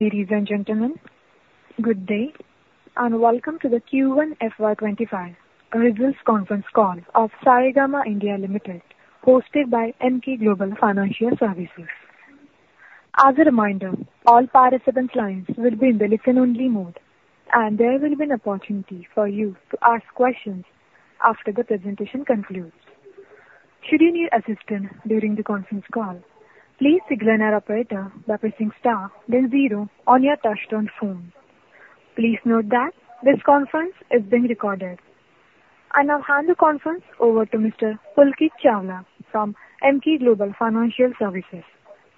...Ladies and gentlemen, good day, and welcome to the Q1 FY '25 results conference call of Saregama India Limited, hosted by Emkay Global Financial Services. As a reminder, all participant lines will be in the listen-only mode, and there will be an opportunity for you to ask questions after the presentation concludes. Should you need assistance during the conference call, please signal our operator by pressing star then zero on your touch-tone phone. Please note that this conference is being recorded. I now hand the conference over to Mr. Pulkit Chawla from Emkay Global Financial Services.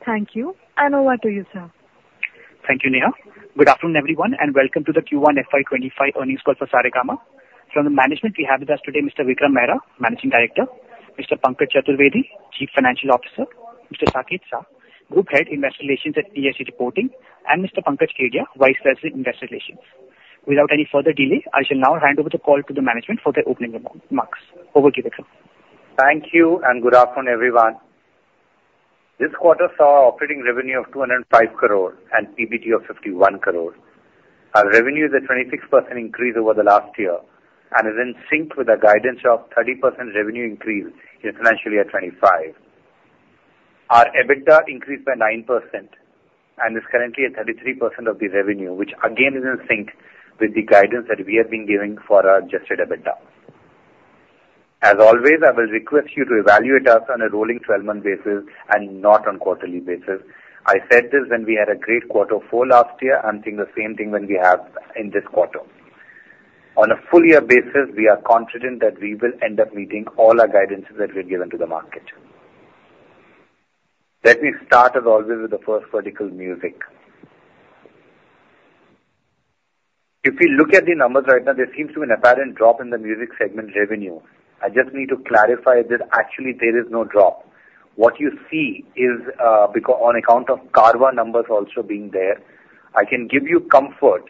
Thank you, and over to you, sir. Thank you, Neha. Good afternoon, everyone, and welcome to the Q1 FY '25 earnings call for Saregama. From the management, we have with us today Mr. Vikram Mehra, Managing Director, Mr. Pankaj Chaturvedi, Chief Financial Officer, Mr. Saket Shah, Group Head, Investor Relations at Saregama, and Mr. Pankaj Kedia, Vice President, Investor Relations. Without any further delay, I shall now hand over the call to the management for their opening remarks. Over to you, Vikram. Thank you, and good afternoon, everyone. This quarter saw operating revenue of 205 crore and PBT of 51 crore. Our revenue is a 26% increase over the last year and is in sync with the guidance of 30% revenue increase in financial year 2025. Our EBITDA increased by 9% and is currently at 33% of the revenue, which again is in sync with the guidance that we have been giving for our adjusted EBITDA. As always, I will request you to evaluate us on a rolling twelve-month basis and not on quarterly basis. I said this when we had a great quarter four last year, I'm saying the same thing when we have in this quarter. On a full year basis, we are confident that we will end up meeting all our guidances that we've given to the market. Let me start, as always, with the first vertical, music. If you look at the numbers right now, there seems to be an apparent drop in the music segment revenue. I just need to clarify that actually there is no drop. What you see is because on account of Carvaan numbers also being there. I can give you comfort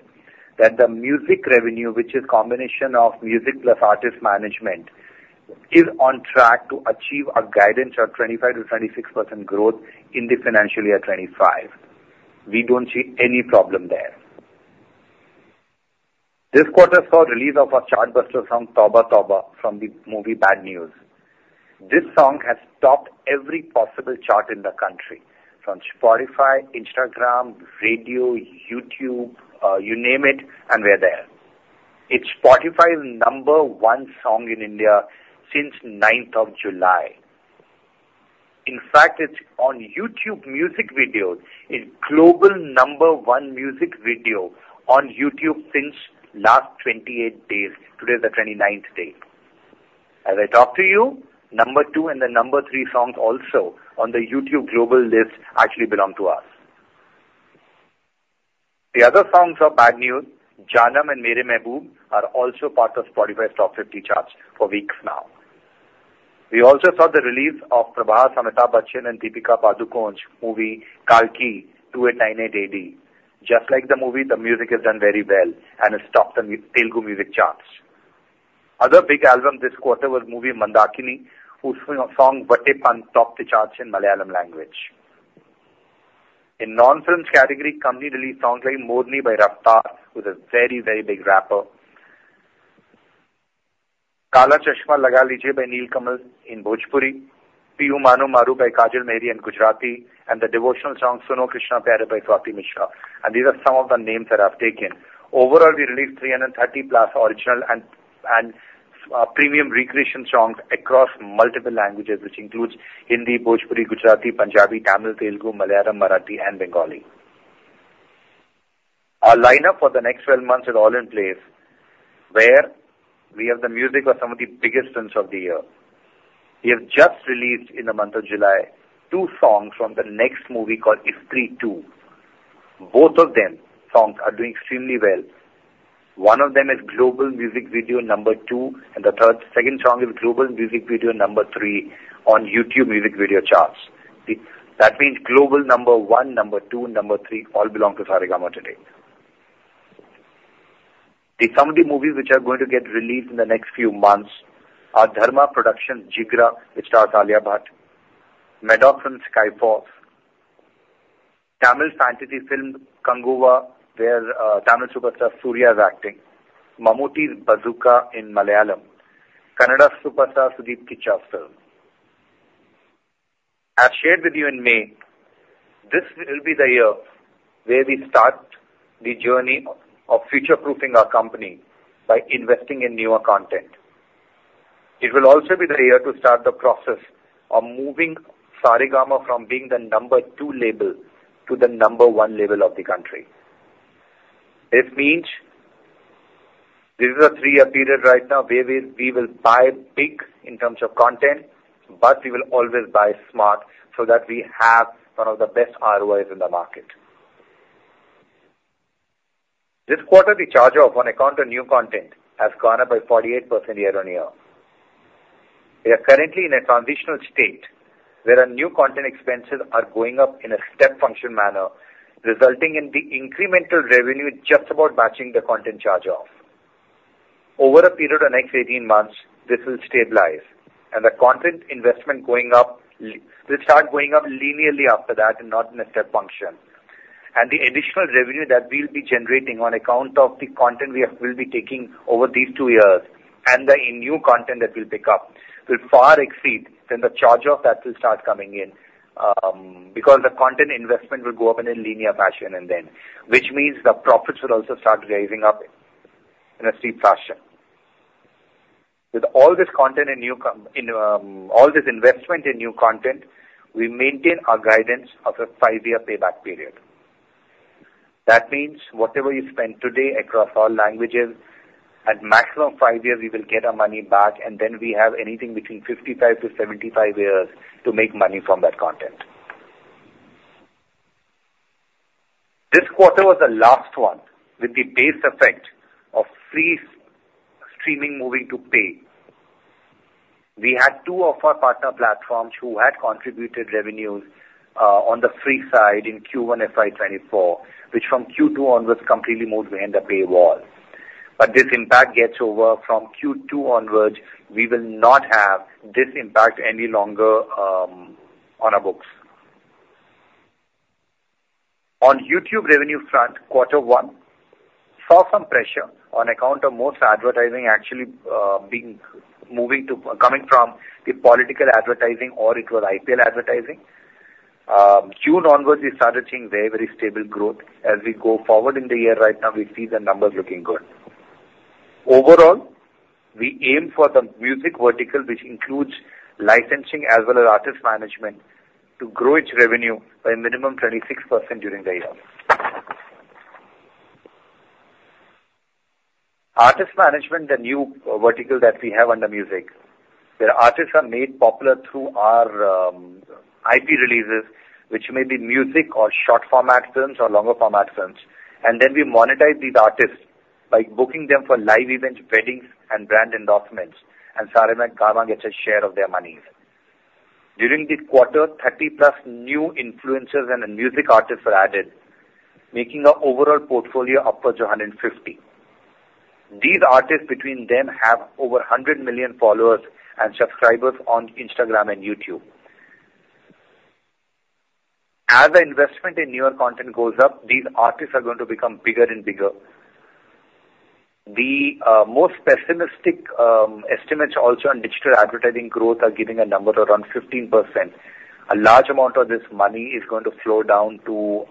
that the music revenue, which is combination of music plus artist management, is on track to achieve our guidance of 25%-26% growth in the financial year 2025. We don't see any problem there. This quarter saw release of our chartbuster song, Tauba Tauba, from the movie Bad Newz. This song has topped every possible chart in the country, from Spotify, Instagram, radio, YouTube, you name it, and we're there. It's Spotify's number one song in India since ninth of July. In fact, it's on YouTube music video, is global number one music video on YouTube since last 28 days. Today is the 29th day. As I talk to you, number 2 and the number 3 songs also on the YouTube global list actually belong to us. The other songs of Bad Newz, Jaanam and Mere Mehboob, are also part of Spotify's top 50 charts for weeks now. We also saw the release of Prabhas, Amitabh Bachchan and Deepika Padukone's movie, Kalki 2898 AD. Just like the movie, the music has done very well and has topped the Telugu music charts. Other big album this quarter was movie Mandakini, whose song, Vattolam, topped the charts in Malayalam language. In non-films category, company released songs like Morni by Raftaar, who's a very, very big rapper. Kala Chashma Laga Lijiye by Neelkamal Singh in Bhojpuri, Piyu Maanu Na Maaru by Kajal Maheriya in Gujarati, and the devotional song Suno Krishna Pyare by Swati Mishra, and these are some of the names that I've taken. Overall, we released 330+ original and premium recreation songs across multiple languages, which includes Hindi, Bhojpuri, Gujarati, Punjabi, Tamil, Telugu, Malayalam, Marathi, and Bengali. Our lineup for the next 12 months is all in place, where we have the music of some of the biggest films of the year. We have just released in the month of July, two songs from the next movie called Stree 2. Both of them songs are doing extremely well. One of them is Global Music Video number two, and the second song is Global Music Video number three on YouTube Music Video charts. That means global number 1, number 2, and number 3 all belong to Saregama today. The comedy movies which are going to get released in the next few months are Dharma Productions' Jigra, which stars Alia Bhatt, Maddock's Sky Force, Tamil fantasy film Kanguva, where Tamil superstar Surya is acting. Mammooty's Bazooka in Malayalam, Kannada superstar Sudeep Kichcha's film. As shared with you in May, this will be the year where we start the journey of future-proofing our company by investing in newer content. It will also be the year to start the process of moving Saregama from being the number 2 label to the number 1 label of the country. This means this is a 3-year period right now where we, we will buy big in terms of content, but we will always buy smart so that we have one of the best ROIs in the market. This quarter, the charge off on account of new content has gone up by 48% year-over-year. We are currently in a transitional state, where our new content expenses are going up in a step function manner, resulting in the incremental revenue just about matching the content charge off. Over a period of the next 18 months, this will stabilize, and the content investment going up, will start going up linearly after that and not in a step function. And the additional revenue that we'll be generating on account of the content we have will be taking over these 2 years and the, in new content that we'll pick up, will far exceed than the charge of that will start coming in, because the content investment will go up in a linear fashion and then, which means the profits will also start rising up in a steep fashion. With all this content and new content, all this investment in new content, we maintain our guidance of a five-year payback period. That means whatever we spend today across all languages, at maximum five years, we will get our money back, and then we have anything between 55-75 years to make money from that content. This quarter was the last one with the base effect of free streaming moving to pay. We had two of our partner platforms who had contributed revenues on the free side in Q1 FY 2024, which from Q2 onwards, completely moved behind the paywall. But this impact gets over. From Q2 onwards, we will not have this impact any longer on our books. On YouTube revenue front, quarter 1 saw some pressure on account of most advertising actually moving to... Coming from the political advertising or it was IPL advertising. June onwards, we started seeing very, very stable growth. As we go forward in the year right now, we see the numbers looking good. Overall, we aim for the music vertical, which includes licensing as well as artist management, to grow its revenue by a minimum 26% during the year. Artist management, the new vertical that we have under music, where artists are made popular through our IP releases, which may be music or short-form ad films or longer-form ad films, and then we monetize these artists by booking them for live events, weddings, and brand endorsements, and Saregama gets a share of their monies. During the quarter, 30+ new influencers and music artists were added, making our overall portfolio upwards of 150. These artists, between them, have over 100 million followers and subscribers on Instagram and YouTube. As the investment in newer content goes up, these artists are going to become bigger and bigger. The more pessimistic estimates also on digital advertising growth are giving a number of around 15%. A large amount of this money is going to flow down to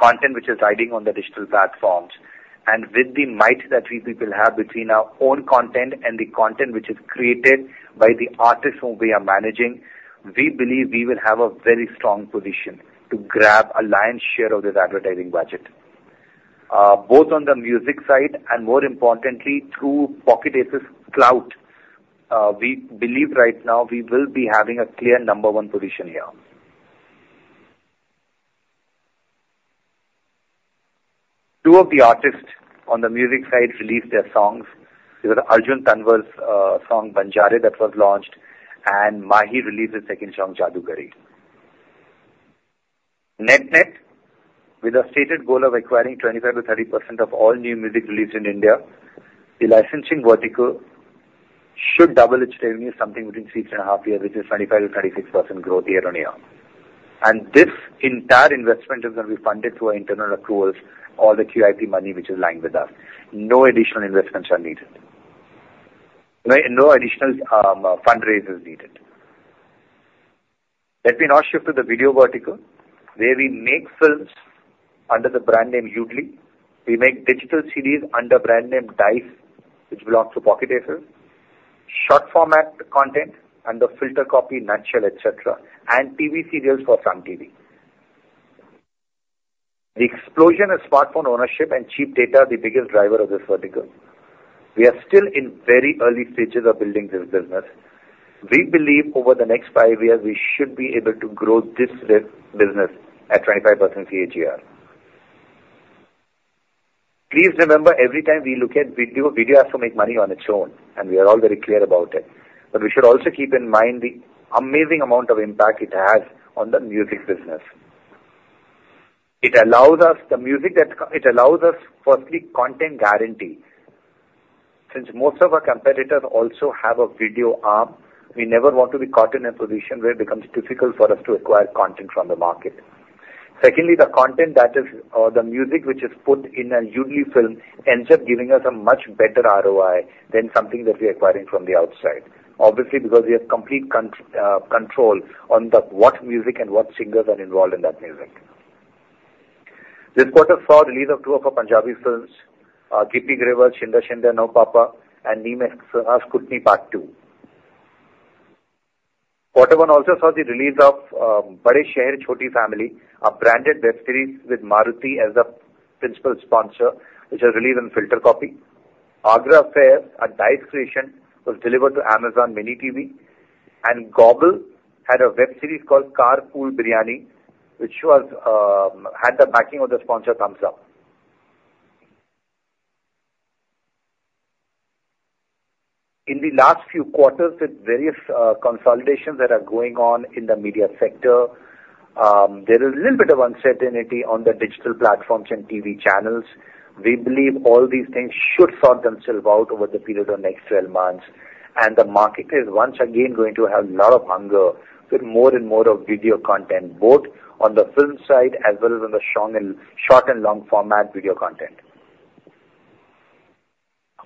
content, which is riding on the digital platforms. And with the might that we people have between our own content and the content which is created by the artists whom we are managing, we believe we will have a very strong position to grab a lion's share of this advertising budget. Both on the music side and more importantly, through Pocket Aces clout, we believe right now we will be having a clear number one position here. Two of the artists on the music side released their songs. We've got Arjun Kanungo's song, Banjara, that was launched, and Maahi released his second song, Jaadugari. Net-net, with a stated goal of acquiring 25-30% of all new music released in India, the licensing vertical should double its revenue, something within 3.5 years, which is 25%-26% growth year-on-year. This entire investment is going to be funded through our internal accruals or the QIP money, which is lying with us. No additional investments are needed. No additional fundraise is needed. Let me now shift to the video vertical, where we make films under the brand name Yoodlee Films. We make digital series under brand name Dice, which belongs to Pocket Aces. Short-format content under FilterCopy, Nutshell, et cetera, and TV serials for Sun TV. The explosion of smartphone ownership and cheap data are the biggest driver of this vertical. We are still in very early stages of building this business. We believe over the next five years, we should be able to grow this business at 25% CAGR. Please remember, every time we look at video, video has to make money on its own, and we are all very clear about it. But we should also keep in mind the amazing amount of impact it has on the music business. It allows us, firstly, content guarantee. Since most of our competitors also have a video arm, we never want to be caught in a position where it becomes difficult for us to acquire content from the market. Secondly, the content that is, or the music, which is put in a Yoodlee film, ends up giving us a much better ROI than something that we are acquiring from the outside. Obviously, because we have complete control on what music and what singers are involved in that music. This quarter saw the release of two of our Punjabi films, Gippy Grewal: Shinda Shinda No Papa, and Ni Main Sass Kuttni 2. Quarter one also saw the release of Bade Sheher Choti Family, a branded web series with Maruti as the principal sponsor, which was released on FilterCopy. Girls School, a Dice creation, was delivered to Amazon miniTV, and Gobble had a web series called Carpool Biryani, which was had the backing of the sponsor Thums Up. In the last few quarters, with various consolidations that are going on in the media sector, there is a little bit of uncertainty on the digital platforms and TV channels. We believe all these things should sort themselves out over the period of next twelve months, and the market is once again going to have a lot of hunger for more and more of video content, both on the film side as well as on the short and long format video content.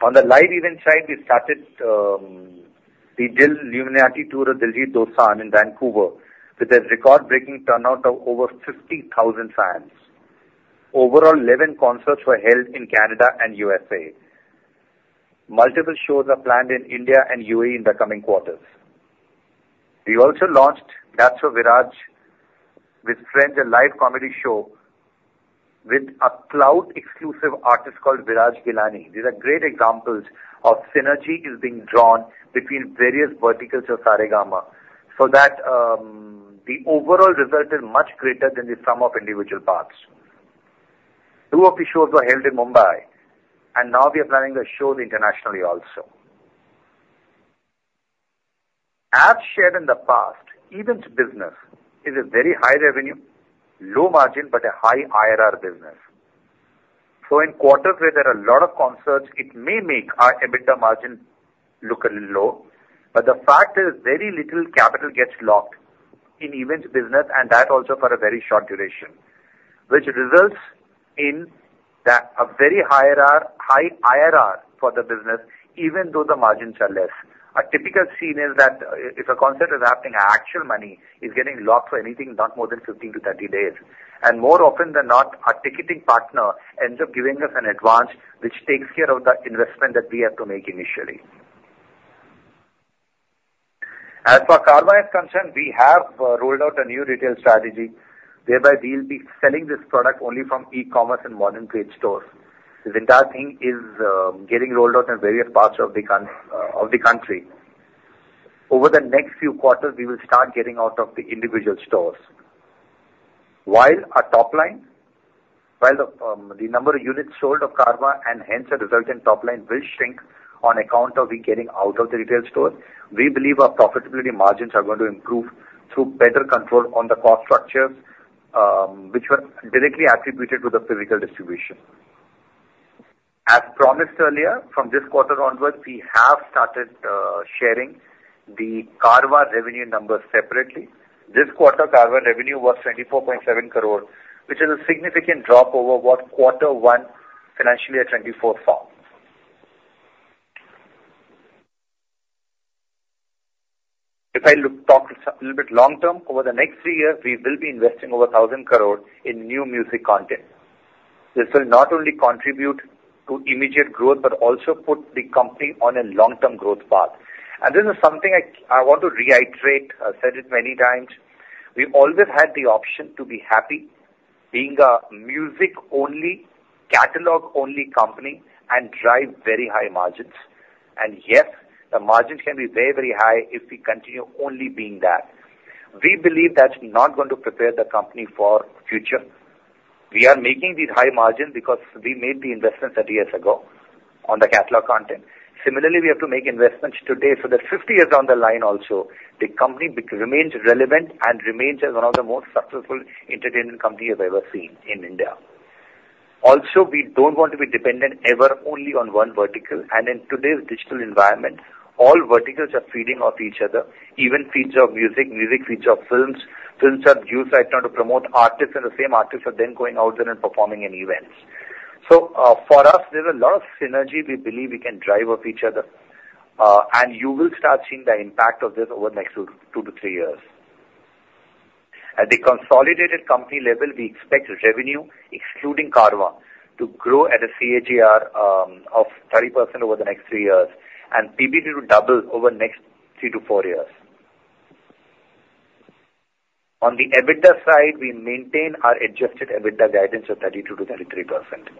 On the live event side, we started, we did Dil-Luminati Tour of Diljit Dosanjh in Vancouver, with a record-breaking turnout of over 50,000 fans. Overall, 11 concerts were held in Canada and USA. Multiple shows are planned in India and UAE in the coming quarters. We also launched That's So Viraj with Friend, a live comedy show with a cloud exclusive artist called Viraj Ghelani. These are great examples of synergy is being drawn between various verticals of Saregama, so that, the overall result is much greater than the sum of individual parts. Two of the shows were held in Mumbai, and now we are planning the shows internationally also. As shared in the past, events business is a very high revenue, low margin, but a high IRR business. So in quarters where there are a lot of concerts, it may make our EBITDA margin look a little low, but the fact is very little capital gets locked in events business, and that also for a very short duration. Which results in a very high ROI-high IRR for the business, even though the margins are less. A typical scene is that if a concert is happening, the actual money is getting locked for anything, not more than 15 to 30 days, and more often than not, our ticketing partner ends up giving us an advance, which takes care of the investment that we have to make initially. As for Carvaan is concerned, we have rolled out a new retail strategy, whereby we'll be selling this product only from e-commerce and modern trade stores. This entire thing is getting rolled out in various parts of the country. Over the next few quarters, we will start getting out of the individual stores. While our top line, while the number of units sold of Carvaan and hence the result in top line will shrink on account of we getting out of the retail store, we believe our profitability margins are going to improve through better control on the cost structures, which were directly attributed to the physical distribution. As promised earlier, from this quarter onwards, we have started sharing the Carvaan revenue numbers separately. This quarter, Carvaan revenue was INR 24.7 crore, which is a significant drop over what Q1 FY24 saw. If I look, talk a little bit long term, over the next three years, we will be investing over 1,000 crore in new music content. This will not only contribute to immediate growth, but also put the company on a long-term growth path. This is something I want to reiterate. I've said it many times. We've always had the option to be happy being a music-only, catalog-only company and drive very high margins. Yes, the margins can be very, very high if we continue only being that. We believe that's not going to prepare the company for future. We are making these high margins because we made the investments 30 years ago on the catalog content. Similarly, we have to make investments today, so that 50 years down the line also, the company remains relevant and remains as one of the most successful entertainment company you've ever seen in India. Also, we don't want to be dependent ever only on one vertical, and in today's digital environment, all verticals are feeding off each other. Even feature of music, music feature of films, films are used right now to promote artists, and the same artists are then going out there and performing in events. So, for us, there's a lot of synergy we believe we can drive off each other, and you will start seeing the impact of this over the next 2, 2-3 years. At the consolidated company level, we expect revenue, excluding Carvaan, to grow at a CAGR of 30% over the next 3 years and PBT to double over the next 3-4 years. On the EBITDA side, we maintain our adjusted EBITDA guidance of 32%-33%.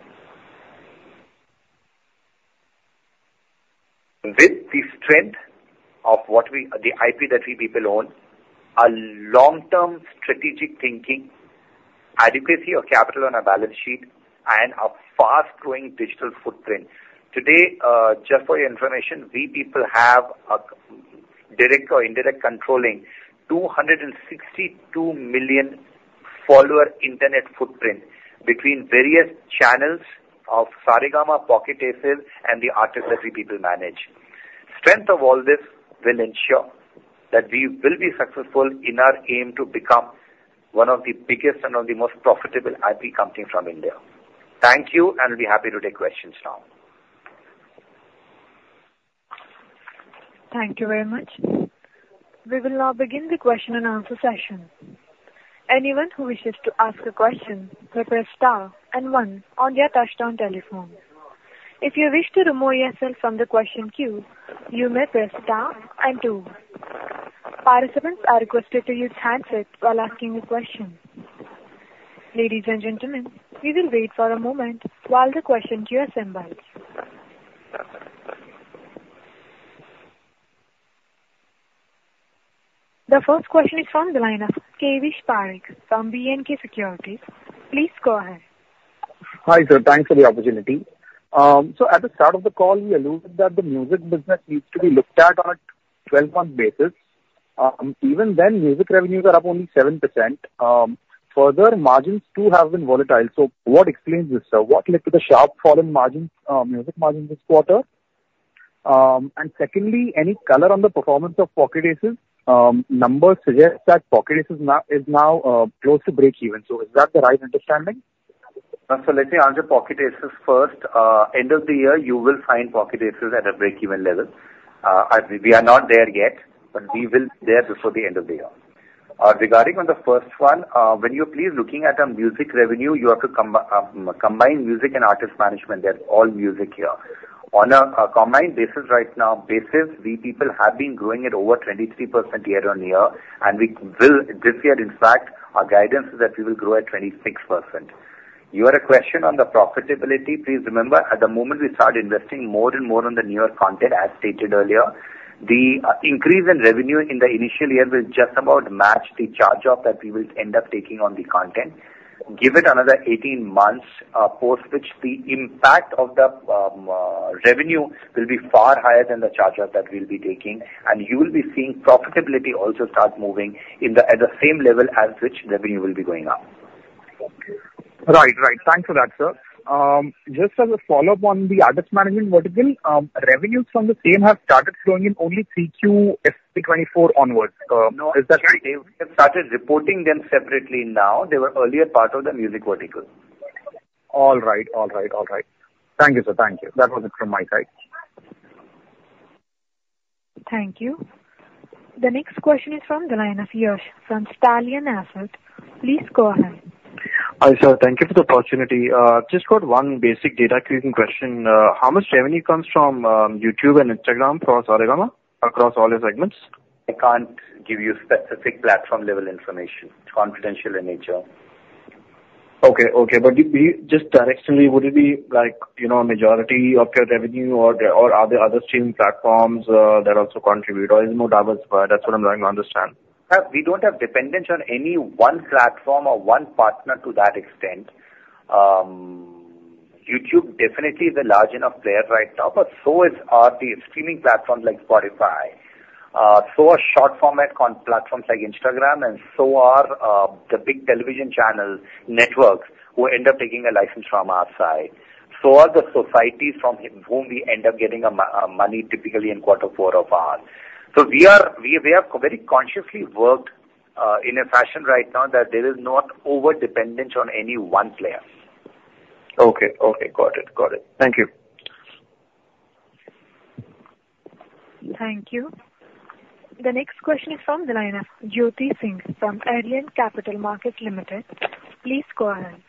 With the strength of what we... The IP that we people own, a long-term strategic thinking, adequacy of capital on our balance sheet, and a fast-growing digital footprint. Today, just for your information, we people have a direct or indirect controlling 262 million follower internet footprint between various channels of Saregama Pocket Aces and the artists that we people manage. Strength of all this will ensure that we will be successful in our aim to become one of the biggest and one of the most profitable IP companies from India. Thank you, and I'll be happy to take questions now. Thank you very much. We will now begin the question and answer session. Anyone who wishes to ask a question, press star and one on their touchtone telephone. If you wish to remove yourself from the question queue, you may press star and two. Participants are requested to use handset while asking a question. Ladies and gentlemen, we will wait for a moment while the question queue assembles. The first question is from the line of Kavish Parekh from B&K Securities. Please go ahead. Hi, sir. Thanks for the opportunity. So at the start of the call, you alluded that the music business needs to be looked at on a twelve-month basis. Even then, music revenues are up only 7%. Further, margins, too, have been volatile. So what explains this, sir? What led to the sharp fall in margins, music margins this quarter? And secondly, any color on the performance of Pocket Aces? Numbers suggest that Pocket Aces now close to breakeven. So is that the right understanding? So let me answer Pocket Aces first. End of the year, you will find Pocket Aces at a breakeven level. We are not there yet, but we will be there before the end of the year. Regarding on the first one, when you are looking at a music revenue, please, you have to combine music and artist management. They're all music here. On a combined basis right now, we have been growing at over 23% year-on-year, and we will this year, in fact, our guidance is that we will grow at 26%. Your question on the profitability, please remember, at the moment, we start investing more and more on the newer content, as stated earlier. The increase in revenue in the initial year will just about match the charge-off that we will end up taking on the content. Give it another 18 months, post which the impact of the revenue will be far higher than the charge-off that we'll be taking, and you will be seeing profitability also start moving in the... at the same level as which revenue will be going up. Right. Right. Thanks for that, sir. Just as a follow-up on the artist management vertical, revenues from the same have started flowing in only CQFY 2024 on wards. Is that right? No, we have started reporting them separately now. They were earlier part of the music vertical. All right. All right, all right. Thank you, sir. Thank you. That was it from my side. Thank you. The next question is from the line of Yash from Stallion Asset. Please go ahead. Hi, sir. Thank you for the opportunity. Just got one basic data clearing question. How much revenue comes from YouTube and Instagram for Saregama across all your segments? I can't give you specific platform-level information. It's confidential in nature. Okay, okay, but do you just directionally, would it be, like, you know, a majority of your revenue, or are there other streaming platforms that also contribute, or is it more diversified? That's what I'm trying to understand. We don't have dependence on any one platform or one partner to that extent. YouTube definitely is a large enough player right now, but so are the streaming platforms like Spotify. So are short format platforms like Instagram, and so are the big television channel networks who end up taking a license from our side. So are the societies from whom we end up getting money typically in quarter four of ours. We have very consciously worked in a fashion right now that there is not overdependence on any one player. Okay. Okay. Got it. Got it. Thank you. Thank you. The next question is from the line of Jyoti Singh from Arihant Capital Markets Limited. Please go ahead.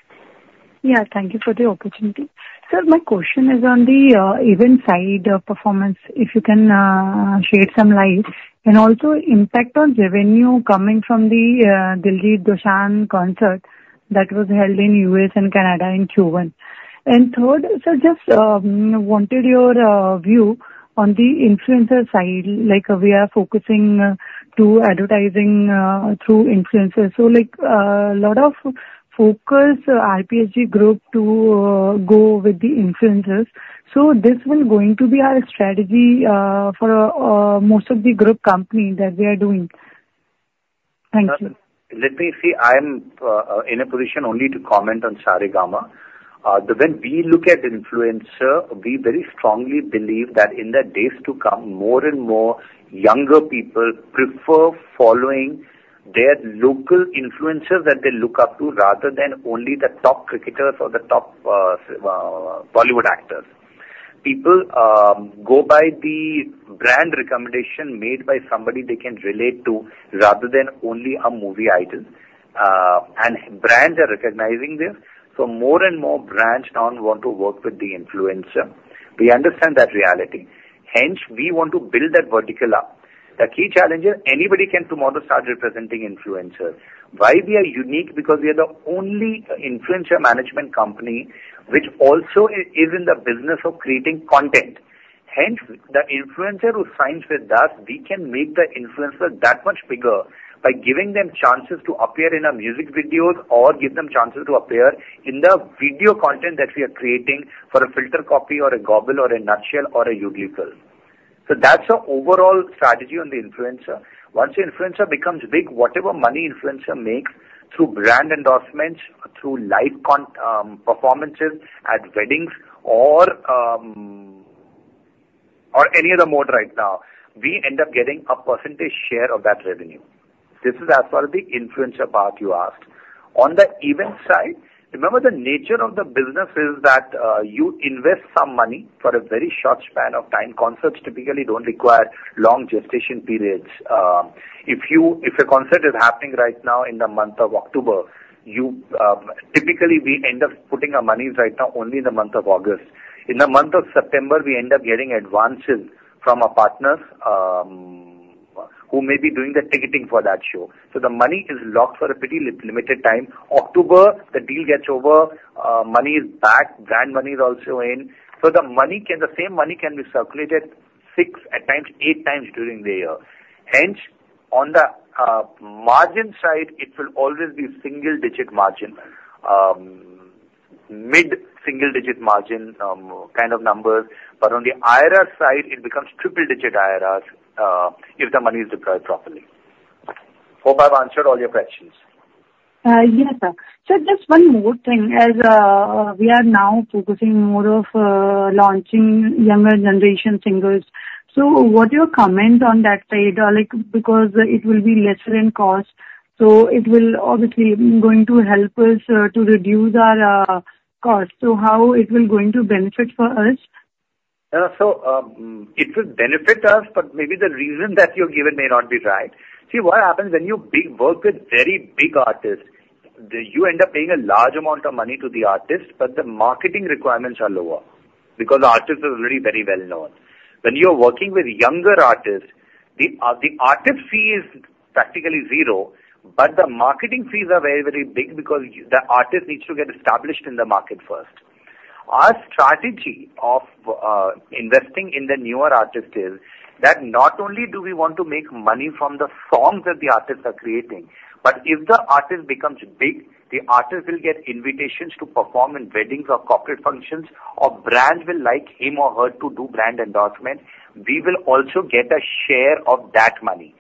Yeah, thank you for the opportunity. Sir, my question is on the event side performance, if you can shed some light, and also impact on revenue coming from the Diljit Dosanjh concert that was held in U.S. and Canada in Q1. And third, sir, just wanted your view on the influencer side, like, we are focusing to advertising through influencers. So, like, lot of focus, RPSG Group, to go with the influencers. So this will going to be our strategy for most of the group company that we are doing? Thank you. Let me see. I am in a position only to comment on Saregama. The way we look at influencer, we very strongly believe that in the days to come, more and more younger people prefer following their local influencers that they look up to, rather than only the top cricketers or the top Bollywood actors. People go by the brand recommendation made by somebody they can relate to, rather than only a movie idol. And brands are recognizing this, so more and more brands now want to work with the influencer. We understand that reality, hence we want to build that vertical up. The key challenge is anybody can tomorrow start representing influencers. Why we are unique? Because we are the only influencer management company which also is in the business of creating content. Hence, the influencer who signs with us, we can make the influencer that much bigger by giving them chances to appear in our music videos or give them chances to appear in the video content that we are creating for a FilterCopy or a Gobble or a Nutshell or a Yoodlee. So that's our overall strategy on the influencer. Once the influencer becomes big, whatever money influencer makes through brand endorsements, through live performances at weddings or any other mode right now, we end up getting a percentage share of that revenue. This is as per the influencer part you asked. On the event side, remember, the nature of the business is that, you invest some money for a very short span of time. Concerts typically don't require long gestation periods. If a concert is happening right now in the month of October, typically, we end up putting our monies right now only in the month of August. In the month of September, we end up getting advances from our partners who may be doing the ticketing for that show. So the money is locked for a pretty limited time. In October, the deal gets over, money is back, brand money is also in. So the money can, the same money can be circulated 6, at times 8 times during the year. On the margin side, it will always be single-digit margin, mid-single-digit margin kind of numbers. But on the IRR side, it becomes triple-digit IRRs if the money is deployed properly. Hope I've answered all your questions. Yes, sir. So just one more thing, as we are now focusing more of launching younger generation singers. So what's your comment on that side? Like, because it will be lesser in cost, so it will obviously going to help us to reduce our cost. So how it will going to benefit for us? So, it will benefit us, but maybe the reason that you're given may not be right. See, what happens when you work with very big artists, you end up paying a large amount of money to the artist, but the marketing requirements are lower because the artist is already very well-known. When you are working with younger artists, the artist fee is practically zero, but the marketing fees are very, very big because the artist needs to get established in the market first. Our strategy of investing in the newer artists is that not only do we want to make money from the songs that the artists are creating, but if the artist becomes big, the artist will get invitations to perform in weddings or corporate functions, or brands will like him or her to do brand endorsement. We will also get a share of that money.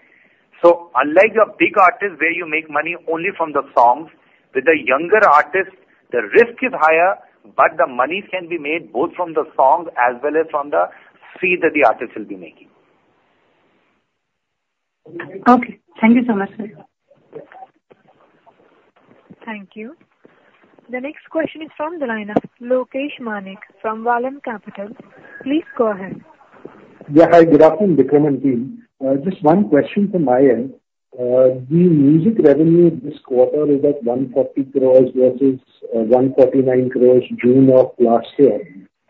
So unlike a big artist, where you make money only from the songs, with the younger artists, the risk is higher, but the money can be made both from the songs as well as from the fee that the artists will be making. Okay, thank you so much, sir. Thank you. The next question is from the line of Lokesh Manik from Vallum Capital. Please go ahead. Yeah, hi. Good afternoon, Vikram and team. Just one question from my end. The music revenue this quarter is at 140 crore versus 149 crore June of last year,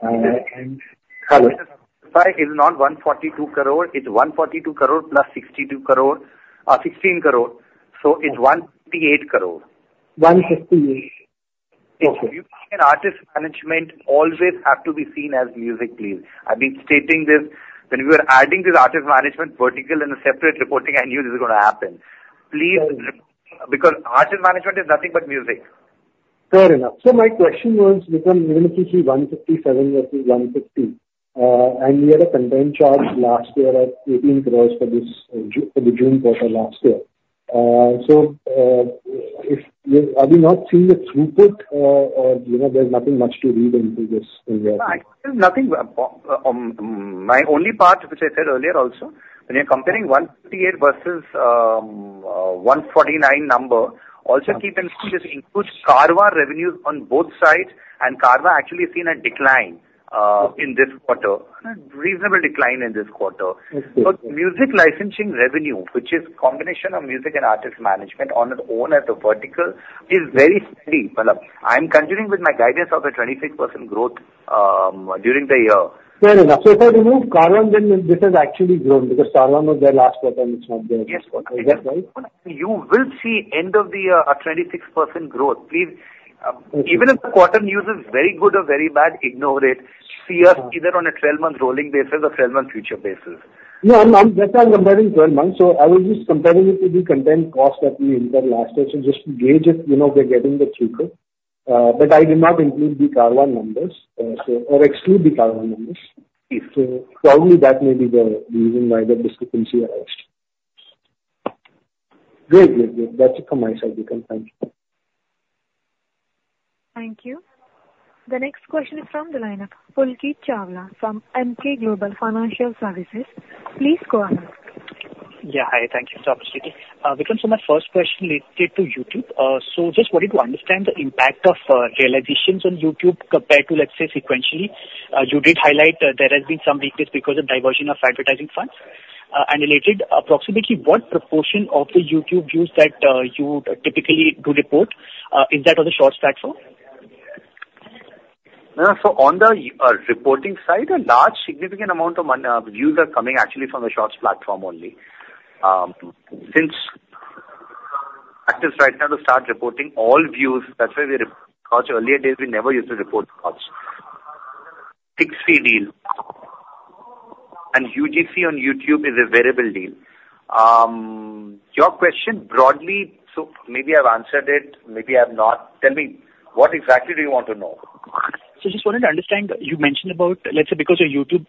and- Sorry, it's not 142 crore, it's 142 crore plus 62 crore, 16 crore, so it's 158 crore. 158. Okay. Artist management always have to be seen as music, please. I've been stating this. When we were adding this artist management vertical in a separate reporting, I knew this was gonna happen. Sure. Please, because artist management is nothing but music. Fair enough. So my question was because when you see 157 versus 150, and we had a content charge last year at 18 crore for this June quarter last year. So, if... Are we not seeing the throughput, or, you know, there's nothing much to read into this in your- Nothing, my only part, which I said earlier also, when you're comparing 158 versus 149 number, also keep in mind this includes Carvaan revenues on both sides, and Carvaan actually seen a decline. Okay ... in this quarter, a reasonable decline in this quarter. Okay. But music licensing revenue, which is combination of music and artist management on its own as a vertical, is very steady. Well, look, I'm continuing with my guidance of a 26% growth during the year. Fair enough. So if I remove Carvaan, then this has actually grown because Carvaan was there last year, but it's not there. Yes. Is that right? You will see end of the year a 26% growth. Please, Okay. Even if the quarter news is very good or very bad, ignore it. Sure. See us either on a 12-month rolling basis or 12-month future basis. No, I'm just comparing 12 months, so I was just comparing it to the content cost that we incurred last year. So just to gauge if, you know, we're getting the throughput, but I did not include the Carvaan numbers, so, or exclude the Carvaan numbers. Yes. So probably that may be the reason why the discrepancy arise. Great. Great, great. That's it from my side, Vikram. Thank you. Thank you. The next question is from the line of Pulkit Chawla from Emkay Global Financial Services. Please go ahead. Yeah. Hi, thank you so much, Pulkit. Vikram, so my first question related to YouTube. So just wanted to understand the impact of realizations on YouTube compared to, let's say, sequentially. You did highlight there has been some weakness because of diversion of advertising funds. And related, approximately what proportion of the YouTube views that you typically do report is that on the Shorts platform? So on the reporting side, a large significant amount of monetized views are coming actually from the Shorts platform only. Since artists right now to start reporting all views, that's why we... Because earlier days, we never used to report views. Fixed fee deal and UGC on YouTube is a variable deal. Your question broadly, so maybe I've answered it, maybe I've not. Tell me, what exactly do you want to know? Just wanted to understand, you mentioned about, let's say, because your YouTube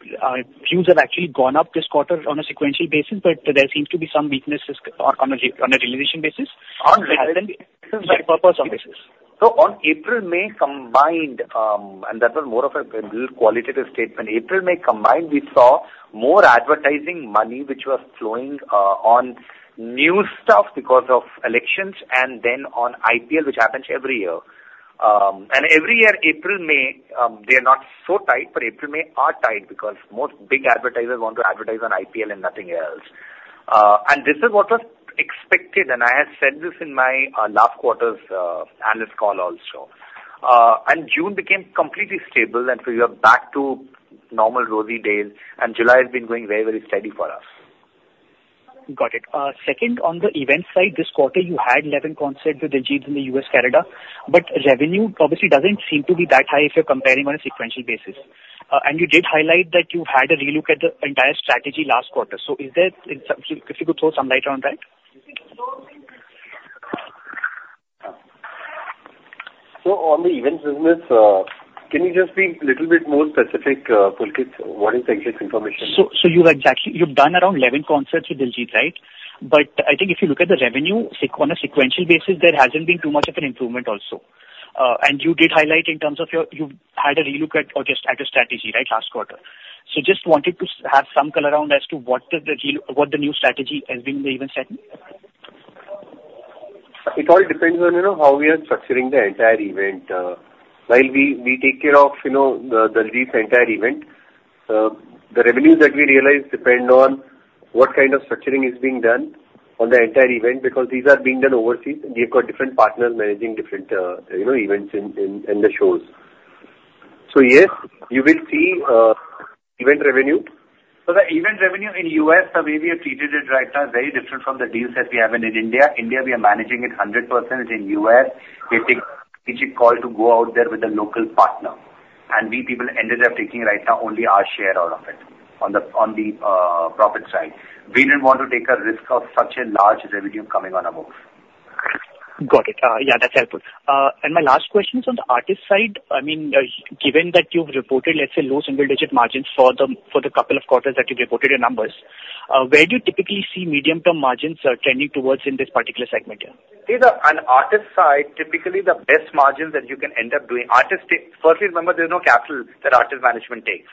views have actually gone up this quarter on a sequential basis, but there seems to be some weaknesses on a realization basis. On realization- For purpose of this. On April, May combined, and that was more of a real qualitative statement. April, May combined, we saw more advertising money, which was flowing on new stuff because of elections and then on IPL, which happens every year. And every year, April, May, they are not so tight, but April, May are tight because most big advertisers want to advertise on IPL and nothing else. And this is what was expected, and I had said this in my last quarter's analyst call also. And June became completely stable, and so we are back to normal rosy days, and July has been going very, very steady for us. Got it. Second, on the event side, this quarter, you had 11 concerts with Diljit in the U.S., Canada, but revenue obviously doesn't seem to be that high if you're comparing on a sequential basis. And you did highlight that you had a relook at the entire strategy last quarter. So is there, if, if you could throw some light on that? On the events business, can you just be little bit more specific, Pulkit, what is the exact information? So, you've exactly, you've done around 11 concerts with Diljit, right? But I think if you look at the revenue, on a sequential basis, there hasn't been too much of an improvement also. And you did highlight in terms of your, you've had a relook at or just at your strategy, right, last quarter. So just wanted to have some color around as to what is the deal, what the new strategy has been in the event segment. It all depends on, you know, how we are structuring the entire event. While we take care of, you know, the Diljit's entire event, the revenues that we realize depend on what kind of structuring is being done on the entire event, because these are being done overseas, and we've got different partners managing different, you know, events in the shows. So yes, you will see event revenue. So the event revenue in U.S., the way we have treated it right now, is very different from the deals that we have in India. India, we are managing it 100%. In U.S., we take a strategic call to go out there with a local partner, and we people ended up taking right now only our share out of it, on the profit side. We didn't want to take a risk of such a large revenue coming onboard. Got it. Yeah, that's helpful. My last question is on the artist side. I mean, given that you've reported, let's say, low single-digit margins for the couple of quarters that you've reported your numbers, where do you typically see medium-term margins trending towards in this particular segment here? These are, on artist side, typically the best margins that you can end up doing. Artist, firstly, remember, there's no capital that artist management takes.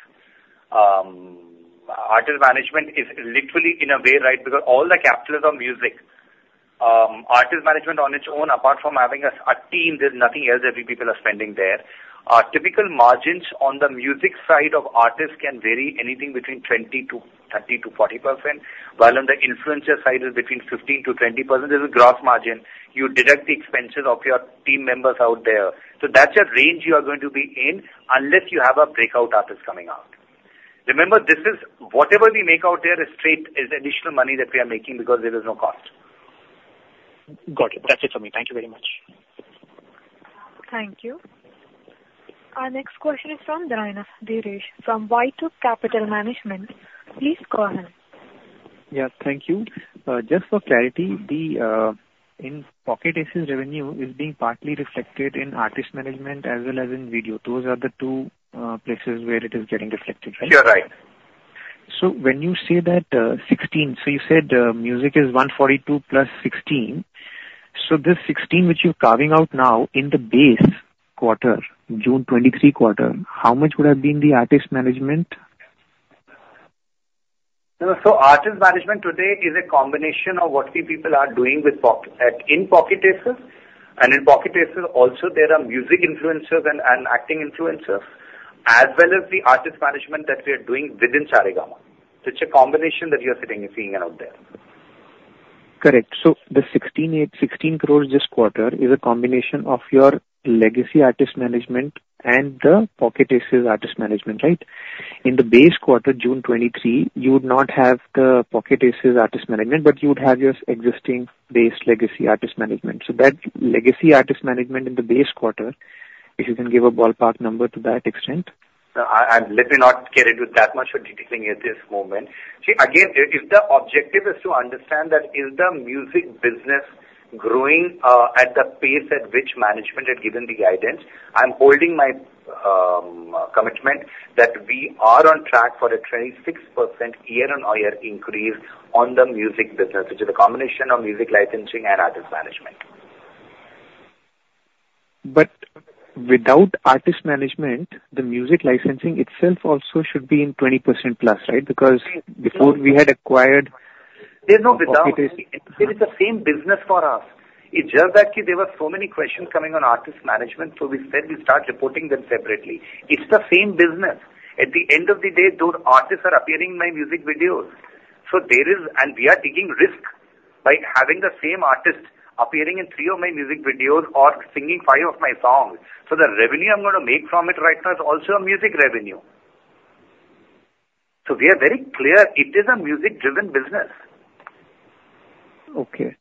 Artist management is literally in a way, right, because all the capital is on music. Artist management on its own, apart from having a team, there's nothing else that we people are spending there. Our typical margins on the music side of artists can vary anything between 20%-30%-40%, while on the influencer side is between 15%-20%. There's a gross margin. You deduct the expenses of your team members out there. So that's the range you are going to be in, unless you have a breakout artist coming out. Remember, this is... whatever we make out there is straight, is additional money that we are making because there is no cost. Got it. That's it for me. Thank you very much. Thank you. Our next question is from Girish Dhanani from White Oak Capital Management. Please go ahead. Yeah, thank you. Just for clarity, the in Pocket Aces revenue is being partly reflected in Artist Management as well as in video. Those are the two places where it is getting reflected, right? You are right. So when you say that, 16, so you said, music is 142 plus 16. So this 16, which you're carving out now in the base quarter, June 2023 quarter, how much would have been the artist management? So, so artist management today is a combination of what we people are doing with Pocket, in Pocket Aces, and in Pocket Aces also there are music influencers and, and acting influencers, as well as the artist management that we are doing within Sa Re Ga Ma. So it's a combination that you're sitting and seeing out there. Correct. So the 168.16 crores this quarter is a combination of your legacy artist management and the Pocket Aces artist management, right? In the base quarter, June 2023, you would not have the Pocket Aces artist management, but you would have your existing base legacy artist management. So that legacy artist management in the base quarter, if you can give a ballpark number to that extent. I'm – let me not get into that much of detailing at this moment. See, again, if the objective is to understand that is the music business growing at the pace at which management had given the guidance, I'm holding my commitment that we are on track for a 26% year-on-year increase on the music business, which is a combination of music licensing and artist management. But without artist management, the music licensing itself also should be in 20%+, right? Because- Before we had acquired- Pocket Aces. It is the same business for us. It's just that there were so many questions coming on artist management, so we said we start reporting them separately. It's the same business. At the end of the day, those artists are appearing in my music videos. So there is... And we are taking risk by having the same artist appearing in three of my music videos or singing five of my songs. So the revenue I'm going to make from it right now is also a music revenue. So we are very clear, it is a music-driven business. Okay.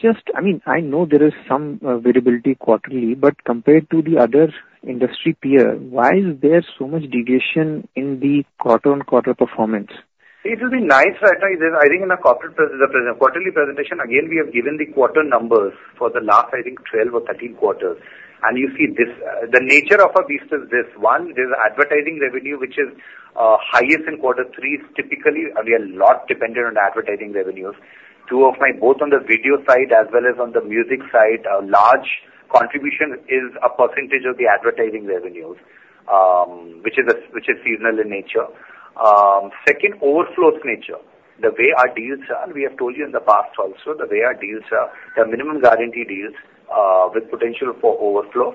Just, I mean, I know there is some variability quarterly, but compared to the other industry peer, why is there so much deviation in the quarter-on-quarter performance? It will be nice, right? I think in a quarter pre-quarterly presentation, again, we have given the quarter numbers for the last, I think, 12 or 13 quarters. And you see this, the nature of a beast is this. One, there's advertising revenue, which is highest in quarter threes, typically, and we are a lot dependent on advertising revenues. Two of my, both on the video side as well as on the music side, a large contribution is a percentage of the advertising revenues, which is a, which is seasonal in nature. Second, overflows nature. The way our deals are, and we have told you in the past also, the way our deals are, they are minimum guarantee deals, with potential for overflows.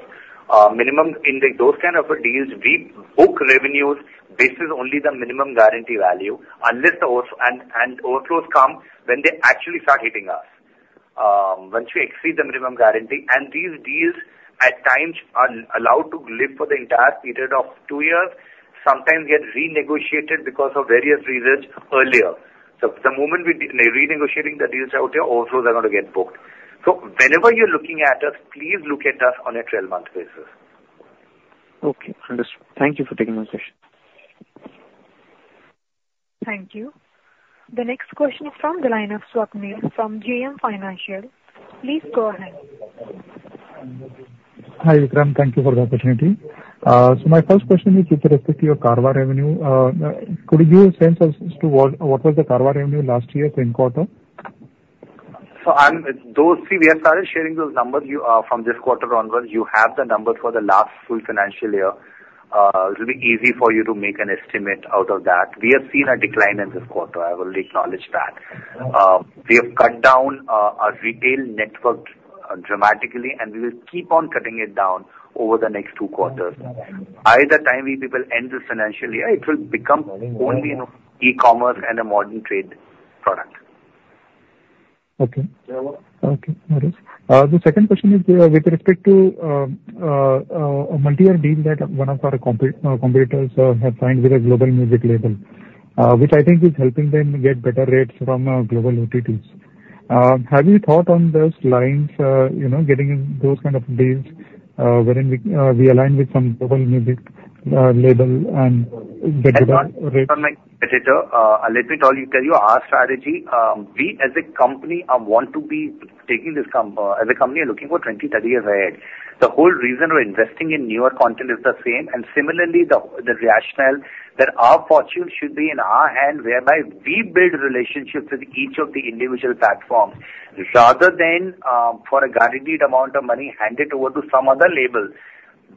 Minimum in the those kind of deals, we book revenues based on only the minimum guarantee value, unless the overflows come when they actually start hitting us. Once we exceed the minimum guarantee, and these deals at times are allowed to live for the entire period of two years... sometimes get renegotiated because of various reasons earlier. So the moment we did renegotiating the deals out there, overflows are going to get booked. So whenever you're looking at us, please look at us on a trail month basis. Okay, understood. Thank you for taking my question. Thank you. The next question is from the line of Swapnil from JM Financial. Please go ahead. Hi, Vikram. Thank you for the opportunity. So my first question is with respect to your Carvaan revenue. Could you give a sense as to what, what was the Carvaan revenue last year, same quarter? So, those three, we have started sharing those numbers. You, from this quarter onwards, you have the numbers for the last full financial year. It'll be easy for you to make an estimate out of that. We have seen a decline in this quarter, I will acknowledge that. We have cut down our retail network dramatically, and we will keep on cutting it down over the next two quarters. By the time we will end this financial year, it will become only an e-commerce and a modern trade product. Okay. Okay, got it. The second question is with respect to a multi-year deal that one of our competitors have signed with a global music label, which I think is helping them get better rates from global OTTs. Have you thought on those lines, you know, getting those kind of deals, wherein we align with some global music label and get better rates? On my competitor, I'll let me tell you our strategy. We, as a company, want to be taking this, as a company, looking for 20, 30 years ahead. The whole reason we're investing in newer content is the same, and similarly, the rationale that our fortune should be in our hand, whereby we build relationships with each of the individual platforms, rather than, for a guaranteed amount of money, hand it over to some other label.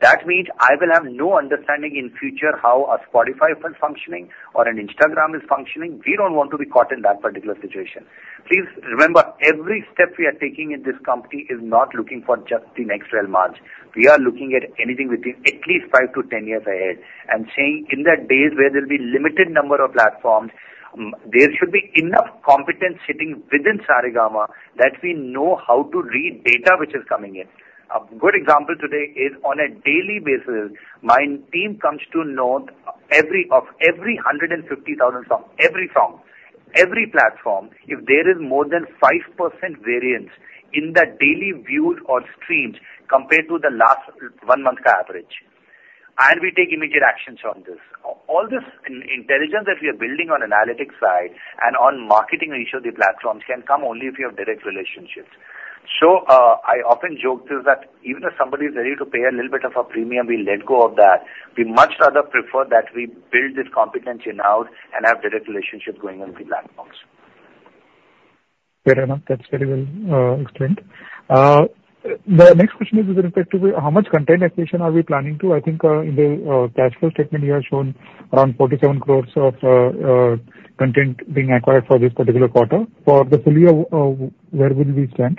That means I will have no understanding in future how a Spotify is functioning or an Instagram is functioning. We don't want to be caught in that particular situation. Please remember, every step we are taking in this company is not looking for just the next 12 months. We are looking at anything within at least 5-10 years ahead, and saying in the days where there will be limited number of platforms, there should be enough competence sitting within Saregama, that we know how to read data which is coming in. A good example today is on a daily basis, my team comes to know every one of every 150,000 songs, every song, every platform, if there is more than 5% variance in the daily views or streams compared to the last one month average, and we take immediate actions on this. All this intelligence that we are building on analytics side and on marketing each of the platforms, can come only if you have direct relationships. I often joke to that even if somebody is ready to pay a little bit of a premium, we let go of that. We much rather prefer that we build this competency in-house and have direct relationship going on with the platforms. Fair enough. That's very well explained. The next question is with respect to how much content acquisition are we planning to? I think, in the, cash flow statement, you have shown around 47 crore of, content being acquired for this particular quarter. For the full year, where will we stand?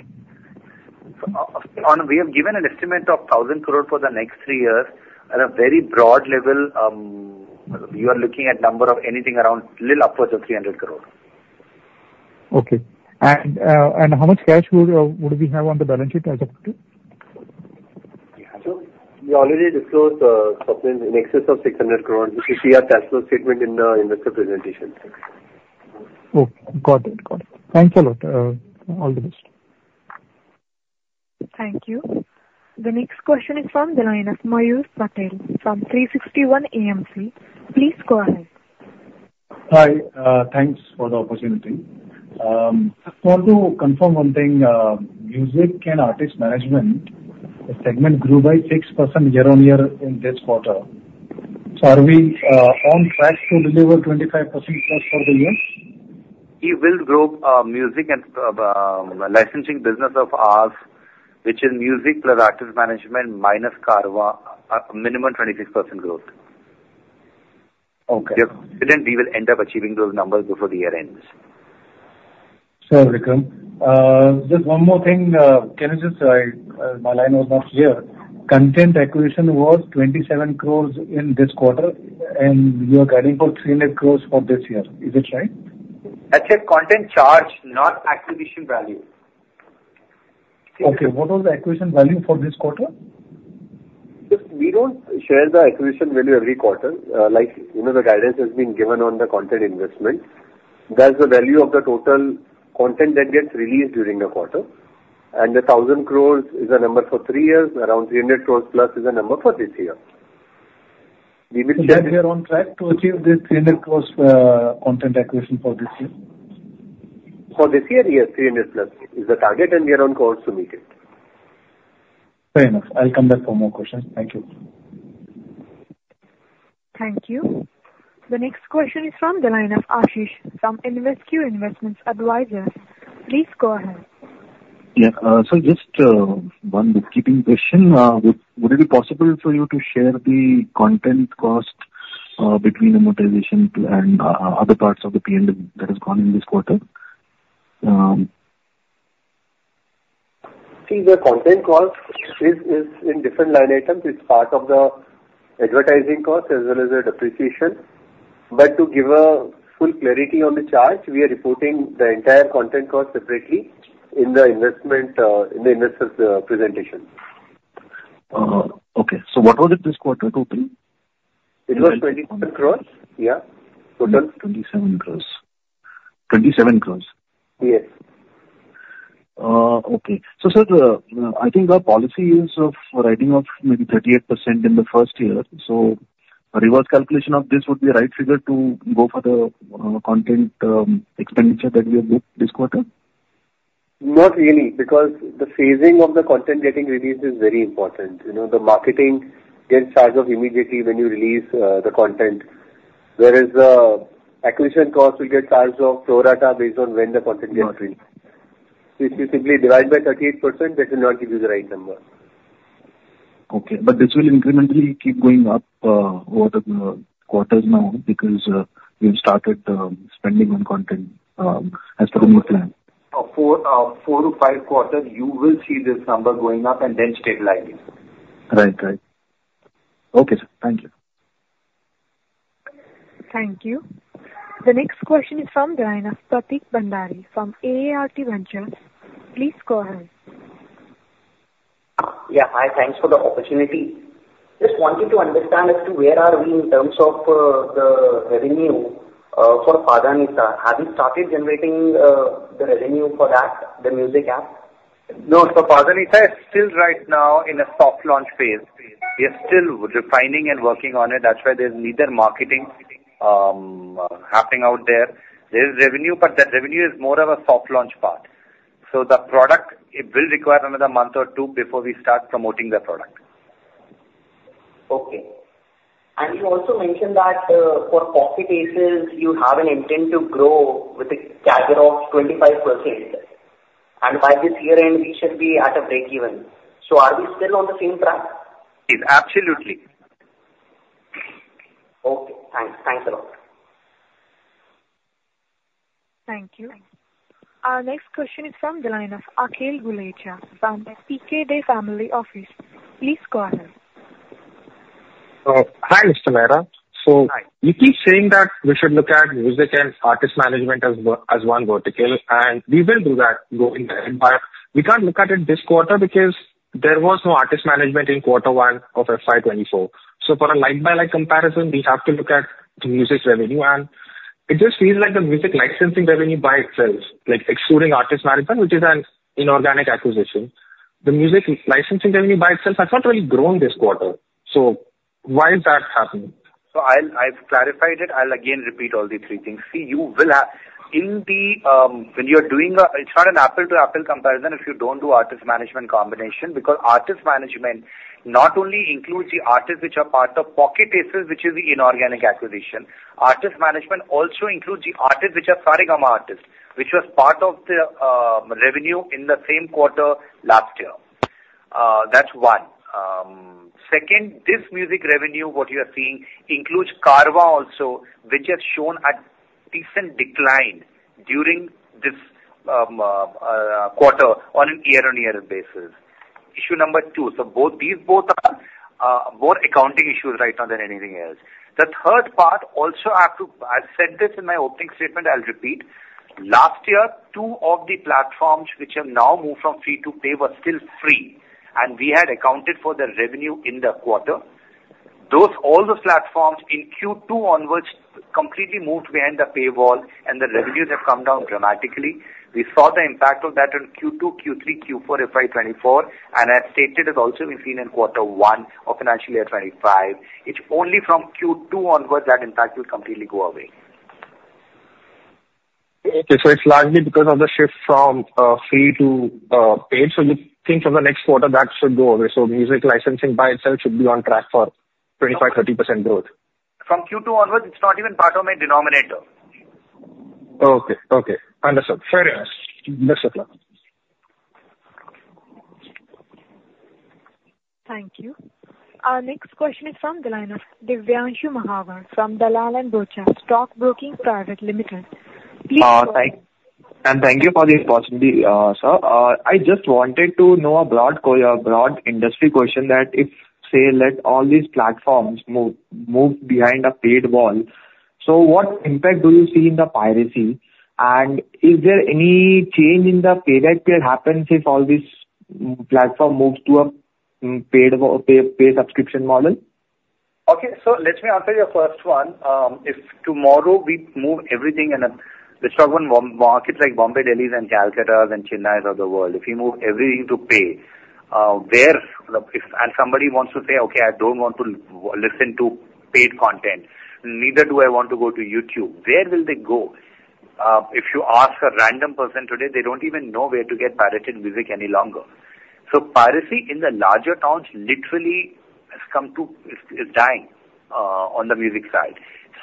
We have given an estimate of 1,000 crore for the next three years. At a very broad level, you are looking at number of anything around little upwards of 300 crore. Okay. And how much cash would we have on the balance sheet as of today? We already disclosed something in excess of 600 crore, which is, see our cash flow statement in the presentation. Okay, got it, got it. Thanks a lot. All the best. Thank you. The next question is from the line of Mayur Patel from 360 ONE AMC. Please go ahead. Hi, thanks for the opportunity. Just want to confirm one thing, music and artist management segment grew by 6% year-on-year in this quarter. So are we on track to deliver 25%+ for the year? We will grow music and licensing business of ours, which is music plus artist management minus Carvaan, a minimum 26% growth. Okay. We are confident we will end up achieving those numbers before the year ends. Vikram, just one more thing. Can you just, my line was not clear. Content acquisition was 27 crore in this quarter, and you are guiding for 300 crore for this year. Is this right? That's a content charge, not acquisition value. Okay, what was the acquisition value for this quarter? Just, we don't share the acquisition value every quarter. Like, you know, the guidance has been given on the content investment. That's the value of the total content that gets released during the quarter. And 1,000 crore is a number for three years. Around 300 crore plus is a number for this year. We will check- That we are on track to achieve this 300 crore, content acquisition for this year? For this year, yes, 300+ is the target, and we are on course to meet it. Very nice. I'll come back for more questions. Thank you. Thank you. The next question is from the line of Ashish from InvesQ Investment Advisors. Please go ahead. Yeah, so just one bookkeeping question. Would it be possible for you to share the content cost between the monetization and other parts of the P&L that has gone in this quarter? See, the content cost is in different line items. It's part of the advertising cost as well as the depreciation... But to give a full clarity on the charge, we are reporting the entire content cost separately in the investment, in the investors, presentation. Uh-huh. Okay. So what was it this quarter, total? It was 27 crore. Yeah. Total. crore. 27 crore? Yes. Okay. So, sir, I think our policy is of writing off maybe 38% in the first year, so a reverse calculation of this would be a right figure to go for the content expenditure that we have made this quarter? Not really, because the phasing of the content getting released is very important. You know, the marketing gets charged off immediately when you release the content, whereas the acquisition cost will get charged off pro rata, based on when the content gets released. If you simply divide by 38%, that will not give you the right number. Okay, but this will incrementally keep going up over the quarters now, because we've started spending on content as per your plan. 4-5 quarters, you will see this number going up and then stabilizing. Right. Right. Okay, sir. Thank you. Thank you. The next question is from the line of Prateek Bhandari from AART VENTURES. Please go ahead. Yeah, hi. Thanks for the opportunity. Just wanted to understand as to where are we in terms of, the revenue, for Padhanisa. Have you started generating, the revenue for that, the music app? No. So Padhanisa is still right now in a soft launch phase. We are still refining and working on it. That's why there's neither marketing happening out there. There is revenue, but that revenue is more of a soft launch part. So the product, it will require another month or two before we start promoting the product. Okay. And you also mentioned that, for Pocket Aces, you have an intent to grow with a CAGR of 25%, and by this year end, we should be at a break even. So are we still on the same track? Yes, absolutely. Okay, thanks. Thanks a lot. Thank you. Our next question is from the line of Akhil Gulecha from PKD Family Office. Please go ahead. Hi, Mr. Mehra. Hi. So you keep saying that we should look at music and artist management as one vertical, and we will do that going ahead, but we can't look at it this quarter because there was no artist management in quarter one of FY 2024. So for a like-for-like comparison, we have to look at the music revenue, and it just feels like the music licensing revenue by itself, like excluding artist management, which is an inorganic acquisition, the music licensing revenue by itself has not really grown this quarter. So why is that happening? So I'll. I've clarified it. I'll again repeat all the three things. See, you will have, in the, when you are doing. It's not an apple-to-apple comparison if you don't do artist management combination, because artist management not only includes the artists which are part of Pocket Aces, which is the inorganic acquisition, artist management also includes the artists which are Saregama artists, which was part of the, revenue in the same quarter last year. That's one. Second, this music revenue, what you are seeing, includes Carvaan also, which has shown a decent decline during this, quarter on a year-on-year basis. Issue number two, so both, these both are, more accounting issues right now than anything else. The third part, also, I have to. I said this in my opening statement, I'll repeat. Last year, two of the platforms which have now moved from free to pay were still free, and we had accounted for the revenue in the quarter. Those, all those platforms in Q2 onwards, completely moved behind the paywall and the revenues have come down dramatically. We saw the impact of that in Q2, Q3, Q4, FY 24, and as stated, has also been seen in quarter one of financial year 25. It's only from Q2 onwards, that impact will completely go away. Okay. So it's largely because of the shift from free to paid. So you think from the next quarter, that should go away. So music licensing by itself should be on track for 25%-30% growth? From Q2 onwards, it's not even part of my denominator. Okay. Okay. Understood. Fair enough. Thanks a lot. Thank you. Our next question is from the line of Divyanshu Mahawar from Dalal & Broacha Stock Broking Private Limited. Please go ahead. And thank you for the opportunity, sir. I just wanted to know a broad industry question, that if, say, let all these platforms move behind a paid wall. So what impact do you see in the piracy? And is there any change in the paid app that happens if all these platforms move to a paid subscription model? Okay, so let me answer your first one. If tomorrow we move everything in a, let's talk on major markets like Bombay, Delhi, and Calcutta, and Chennai of the world, if you move everything to paid, where, if... and somebody wants to say, "Okay, I don't want to listen to paid content, neither do I want to go to YouTube," where will they go? If you ask a random person today, they don't even know where to get pirated music any longer. So piracy in the larger towns literally has come to... is dying on the music side.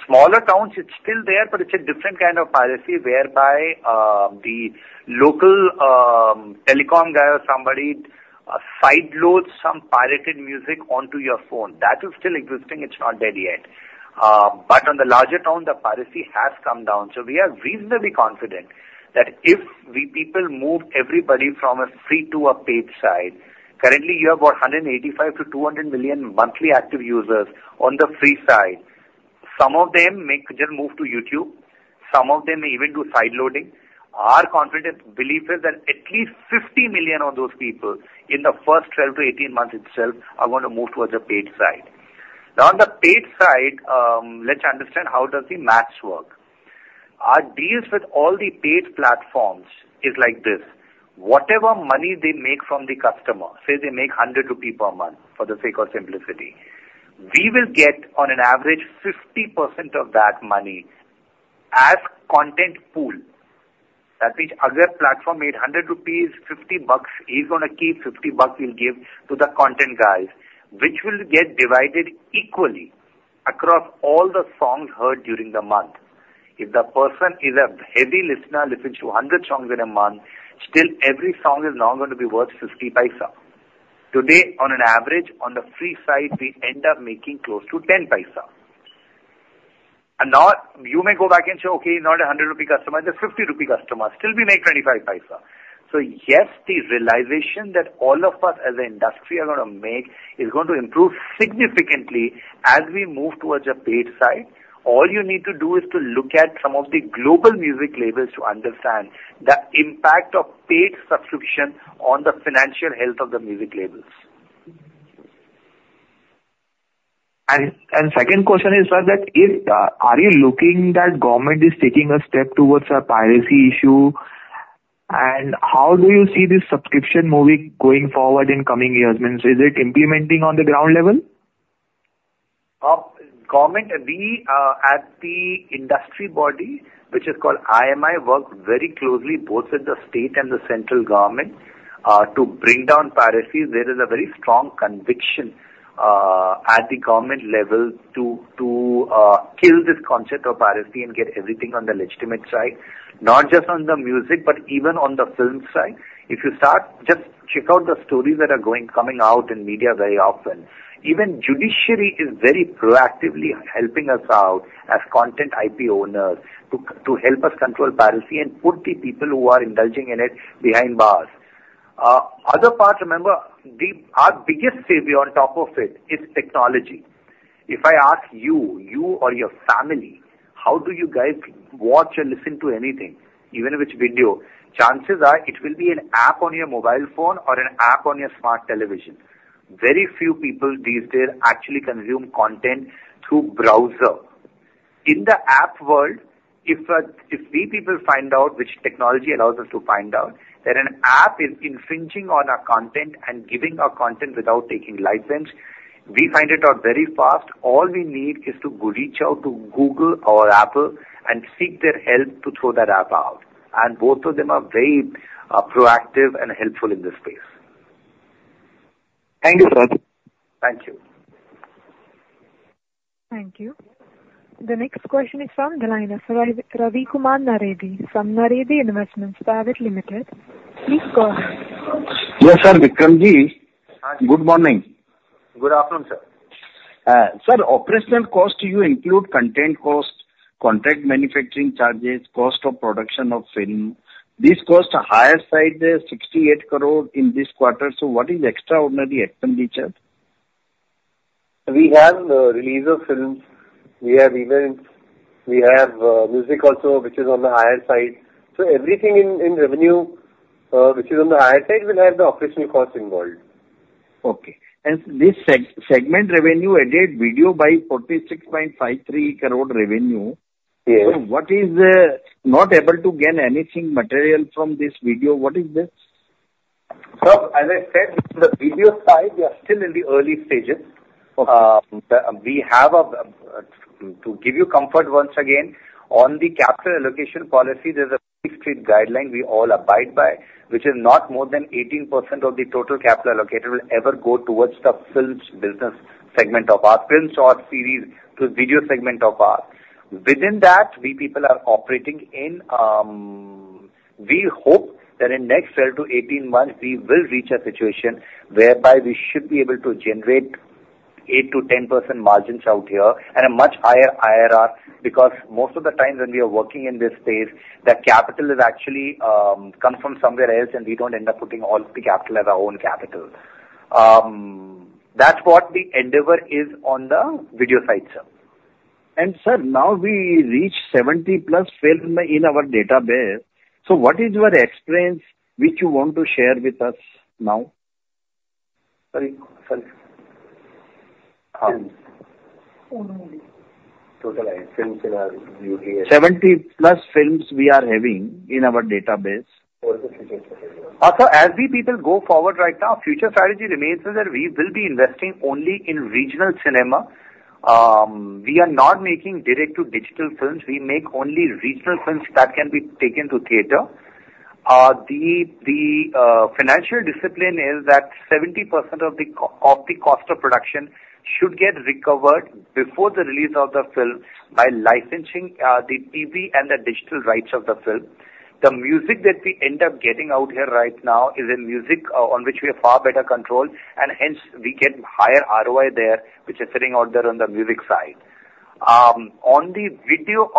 Smaller towns, it's still there, but it's a different kind of piracy, whereby the local telecom guy or somebody sideloads some pirated music onto your phone. That is still existing, it's not dead yet. But on the larger town, the piracy has come down. So we are reasonably confident that if we people move everybody from a free to a paid side, currently you have about 185-200 million monthly active users on the free side. Some of them may just move to YouTube, some of them even do sideloading. Our confident belief is that at least 50 million of those people in the first 12-18 months itself are going to move towards the paid side. Now, on the paid side, let's understand how does the math work. Our deals with all the paid platforms is like this: whatever money they make from the customer, say they make 100 rupees per month, for the sake of simplicity, we will get on average 50% of that money as content pool. That means other platform made 100 rupees, 50 bucks he's gonna keep, 50 bucks he'll give to the content guys, which will get divided equally across all the songs heard during the month. If the person is a heavy listener, listens to 100 songs in a month, still every song is now going to be worth 0.50. Today, on an average, on the free side, we end up making close to 0.10. And now you may go back and say, "Okay, not an 100 rupee customer, the 50 rupee customer," still we make 0.25. So yes, the realization that all of us as an industry are gonna make is going to improve significantly as we move towards a paid side. All you need to do is to look at some of the global music labels to understand the impact of paid subscription on the financial health of the music labels. Second question is, sir, that if are you looking that government is taking a step towards a piracy issue, and how do you see this subscription moving going forward in coming years? Means, is it implementing on the ground level? With the government, we, as the industry body, which is called IMI, work very closely both with the state and the central government, to bring down piracy. There is a very strong conviction at the government level to kill this concept of piracy and get everything on the legitimate side, not just on the music, but even on the film side. If you start, just check out the stories that are coming out in media very often. Even the judiciary is very proactively helping us out as content IP owners to help us control piracy and put the people who are indulging in it behind bars. Other parts, remember, our biggest savior on top of it is technology. If I ask you, you or your family, how do you guys watch and listen to anything, even with video? Chances are it will be an app on your mobile phone or an app on your smart television. Very few people these days actually consume content through browser. In the app world, if, if we people find out, which technology allows us to find out, that an app is infringing on our content and giving our content without taking license, we find it out very fast. All we need is to reach out to Google or Apple and seek their help to throw that app out, and both of them are very, proactive and helpful in this space. Thank you, sir. Thank you. Thank you. The next question is from the line of Ravi, Ravi Kumar Nareddy, from Nareddy Investments Private Limited. Please go ahead. Yes, sir, Vikram Ji. Hi. Good morning. Good afternoon, sir. Sir, operational cost, you include content cost, contract manufacturing charges, cost of production of film. This cost a higher side, there, 68 crore in this quarter, so what is extraordinary expenditure? We have release of films. We have events. We have music also, which is on the higher side. So everything in revenue, which is on the higher side, will have the operational costs involved. Okay. This segment revenue added video by 46.53 crore revenue. Yes. What is not able to gain anything material from this video? What is this? Sir, as I said, on the video side, we are still in the early stages. Okay. To give you comfort, once again, on the capital allocation policy, there's a very strict guideline we all abide by, which is not more than 18% of the total capital allocated will ever go towards the films business segment of our films or series, to video segment of us. Within that, we people are operating in. We hope that in next 12 to 18 months, we will reach a situation whereby we should be able to generate 8%-10% margins out here at a much higher IRR, because most of the time when we are working in this space, the capital is actually comes from somewhere else, and we don't end up putting all the capital as our own capital. That's what the endeavor is on the video side, sir. Sir, now we reach 70+ films in our database. What is your experience which you want to share with us now? Sorry, sorry. Total films that are in here. 70+ films we are having in our database. Sir, as we people go forward right now, future strategy remains is that we will be investing only in regional cinema. We are not making direct to digital films. We make only regional films that can be taken to theater. The financial discipline is that 70% of the cost of production should get recovered before the release of the film by licensing the TV and the digital rights of the film. The music that we end up getting out here right now is a music on which we have far better control, and hence we get higher ROI there, which is sitting out there on the music side. On the video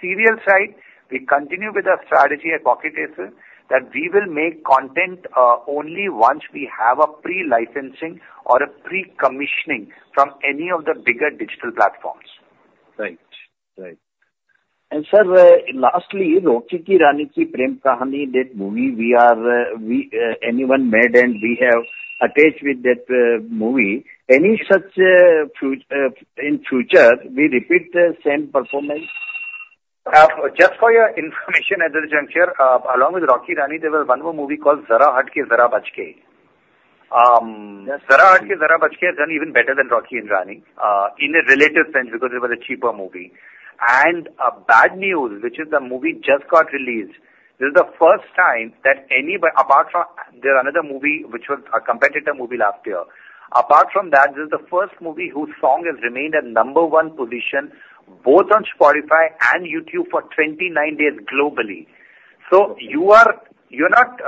serial side, we continue with our strategy at Pocket Aces, that we will make content only once we have a pre-licensing or a pre-commissioning from any of the bigger digital platforms. Right. Right. Sir, lastly, Rocky Aur Rani Kii Prem Kahaani, that movie we are, we, anyone made and we have attached with that, movie. Any such, in future, we repeat the same performance? Just for your information at this juncture, along with Rocky and Rani, there was one more movie called Zara Hatke Zara Bachke. Zara Hatke Zara Bachke done even better than Rocky and Rani, in a relative sense, because it was a cheaper movie. And, Bad Newz, which is the movie just got released, this is the first time that anybody apart from, there another movie, which was a competitor movie last year. Apart from that, this is the first movie whose song has remained at number one position, both on Spotify and YouTube for 29 days globally. So you are, you're not,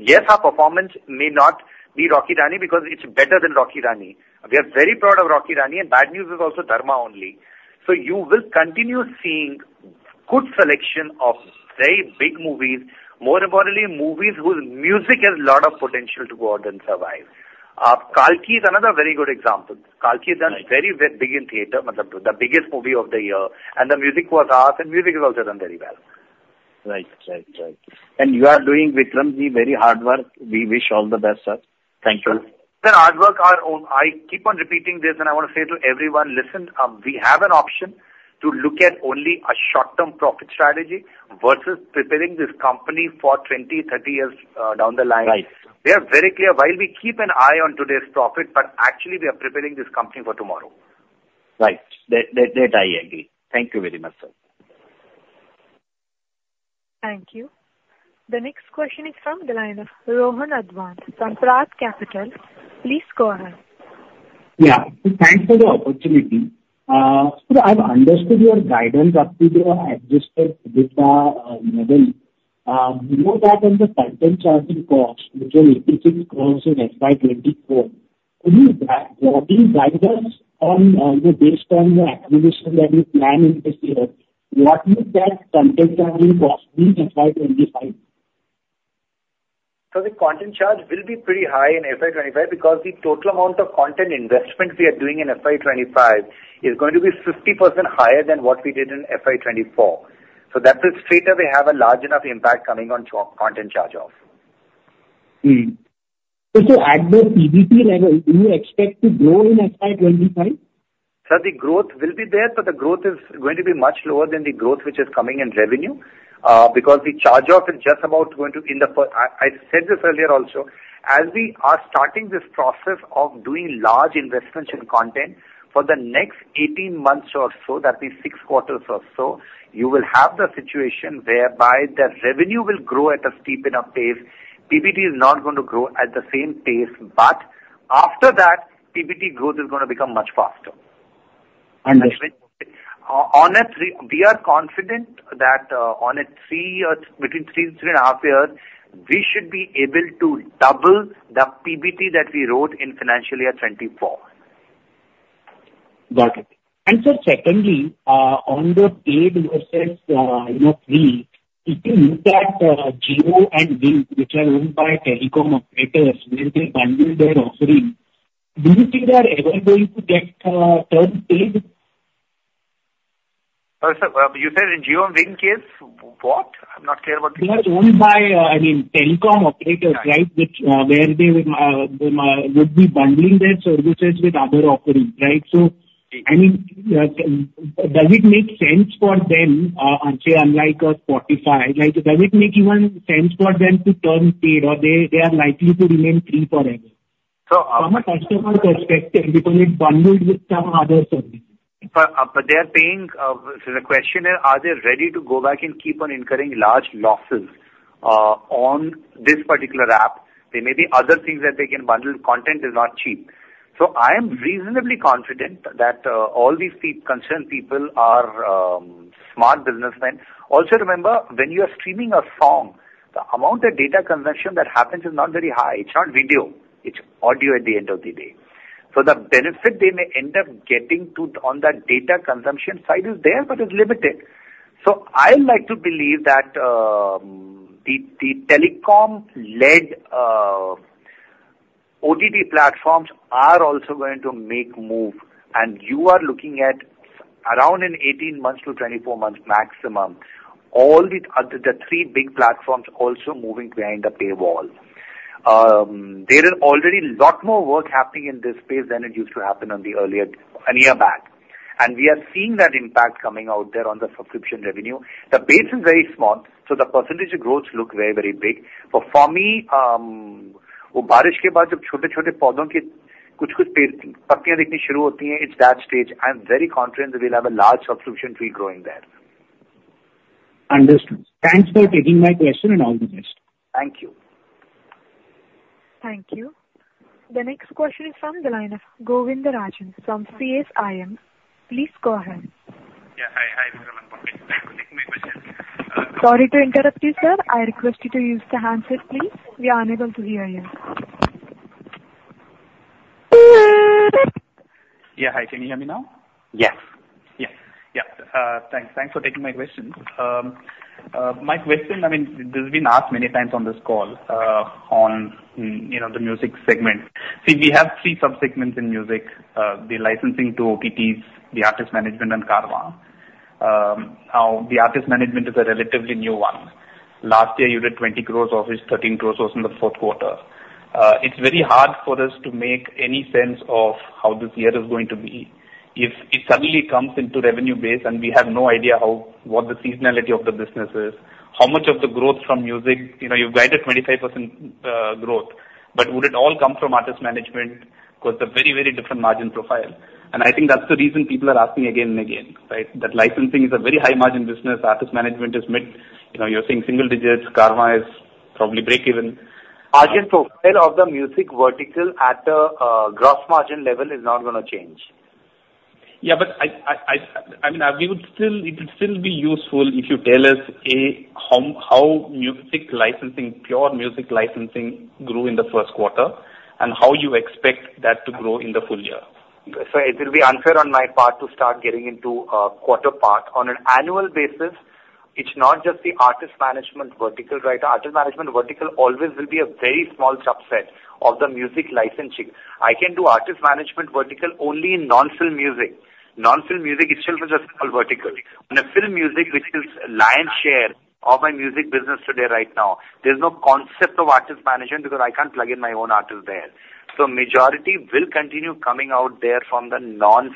yes, our performance may not be Rocky Rani because it's better than Rocky Rani. We are very proud of Rocky Rani, and Bad Newz is also Dharma only. You will continue seeing good selection of very big movies, more importantly, movies whose music has a lot of potential to go out and survive. Kalki is another very good example. Kalki has done very, very big in theater, the biggest movie of the year, and the music was ours, and music has also done very well. Right. Right, right. And you are doing, Vikram Ji, very hard work. We wish all the best, sir. Thank you. The hard work are on... I keep on repeating this, and I want to say to everyone, listen, we have an option to look at only a short-term profit strategy versus preparing this company for 20, 30 years, down the line. Right. We are very clear, while we keep an eye on today's profit, but actually we are preparing this company for tomorrow. Right. That, I agree. Thank you very much, sir. Thank you. The next question is from the line of Rohan Advant from Prad Capital. Please go ahead. Yeah. Thanks for the opportunity. So I've understood your guidance up to the adjusted EBITDA level. More that on the content charging cost, which was INR 86 crore in FY 2024, could you provide guidance on, based on the acquisition that you plan in this year, what is that content charging cost in FY 2025? So the content charge will be pretty high in FY 25, because the total amount of content investment we are doing in FY 25 is going to be 50% higher than what we did in FY 24. So that's the straight up we have a large enough impact coming on content charge off. So, at the PBT level, do you expect to grow in FY25? Sir, the growth will be there, but the growth is going to be much lower than the growth which is coming in revenue, because the charge off is just about going to end up... I said this earlier also, as we are starting this process of doing large investments in content for the next 18 months or so, that is 6 quarters or so, you will have the situation whereby the revenue will grow at a steep enough pace. PBT is not going to grow at the same pace, but after that, PBT growth is going to become much faster. Understood. In 3 years, we are confident that in 3 years, between 3 and 3.5 years, we should be able to double the PBT that we wrote in financial year 2024. Got it. And sir, secondly, on the paid versus, you know, free, do you think that Jio and Wynk, which are owned by telecom operators, when they bundle their offerings, do you think they are ever going to get turned paid? Sir, you said in Jio and Wynk case, what? I'm not clear about this. They are owned by, I mean, telecom operators, right? Right. Which, where they would be bundling their services with other offerings, right? So, I mean, does it make sense for them, say, unlike a Spotify, like, does it make even sense for them to turn paid, or they, they are likely to remain free forever? So, uh- From a customer perspective, because it's bundled with some other service. But, but they are paying... So the question is, are they ready to go back and keep on incurring large losses on this particular app? There may be other things that they can bundle. Content is not cheap. So I am reasonably confident that all these concerned people are smart businessmen. Also, remember, when you are streaming a song, the amount of data consumption that happens is not very high. It's not video, it's audio at the end of the day. So the benefit they may end up getting to, on the data consumption side is there, but it's limited. I like to believe that the telecom-led OTT platforms are also going to make move, and you are looking at around in 18 months to 24 months maximum, all the three big platforms also moving behind the paywall. There is already a lot more work happening in this space than it used to happen on the earlier, a year back. And we are seeing that impact coming out there on the subscription revenue. The base is very small, so the percentage of growth look very, very big. But for me, it's that stage. I'm very confident that we'll have a large subscription stream growing there. Understood. Thanks for taking my question, and all the best. Thank you. Thank you. The next question is from the line of Govindarajan from CSIM. Please go ahead. Yeah, hi. Hi, Vikram. Thank you for taking my question. Sorry to interrupt you, sir. I request you to use the handset, please. We are unable to hear you. Yeah, hi, can you hear me now? Yes. Yeah. Yeah, thanks, thanks for taking my question. My question, I mean, this has been asked many times on this call, you know, the music segment. See, we have three subsegments in music: the licensing to OTTs, the artist management, and Carvaan. Now, the artist management is a relatively new one. Last year, you did 20 crore of it, 13 crore was in the fourth quarter. It's very hard for us to make any sense of how this year is going to be. If it suddenly comes into revenue base and we have no idea how, what the seasonality of the business is, how much of the growth from music, you know, you've guided 25% growth, but would it all come from artist management? Because they're very, very different margin profile. I think that's the reason people are asking again and again, right? That licensing is a very high margin business. Artist management is mid. You know, you're seeing single digits. Carvaan is probably break even. Margin profile of the music vertical at the, gross margin level is not gonna change. Yeah, but I mean, we would still, it would still be useful if you tell us, A, how music licensing, pure music licensing grew in the first quarter, and how you expect that to grow in the full year? So it will be unfair on my part to start getting into a quarter part. On an annual basis, it's not just the artist management vertical, right? Artist management vertical always will be a very small subset of the music licensing. I can do artist management vertical only in non-film music. Non-film music itself is a small vertical. In a film music, which is lion's share of my music business today right now, there's no concept of artist management because I can't plug in my own artist there. So majority will continue coming out there from the non,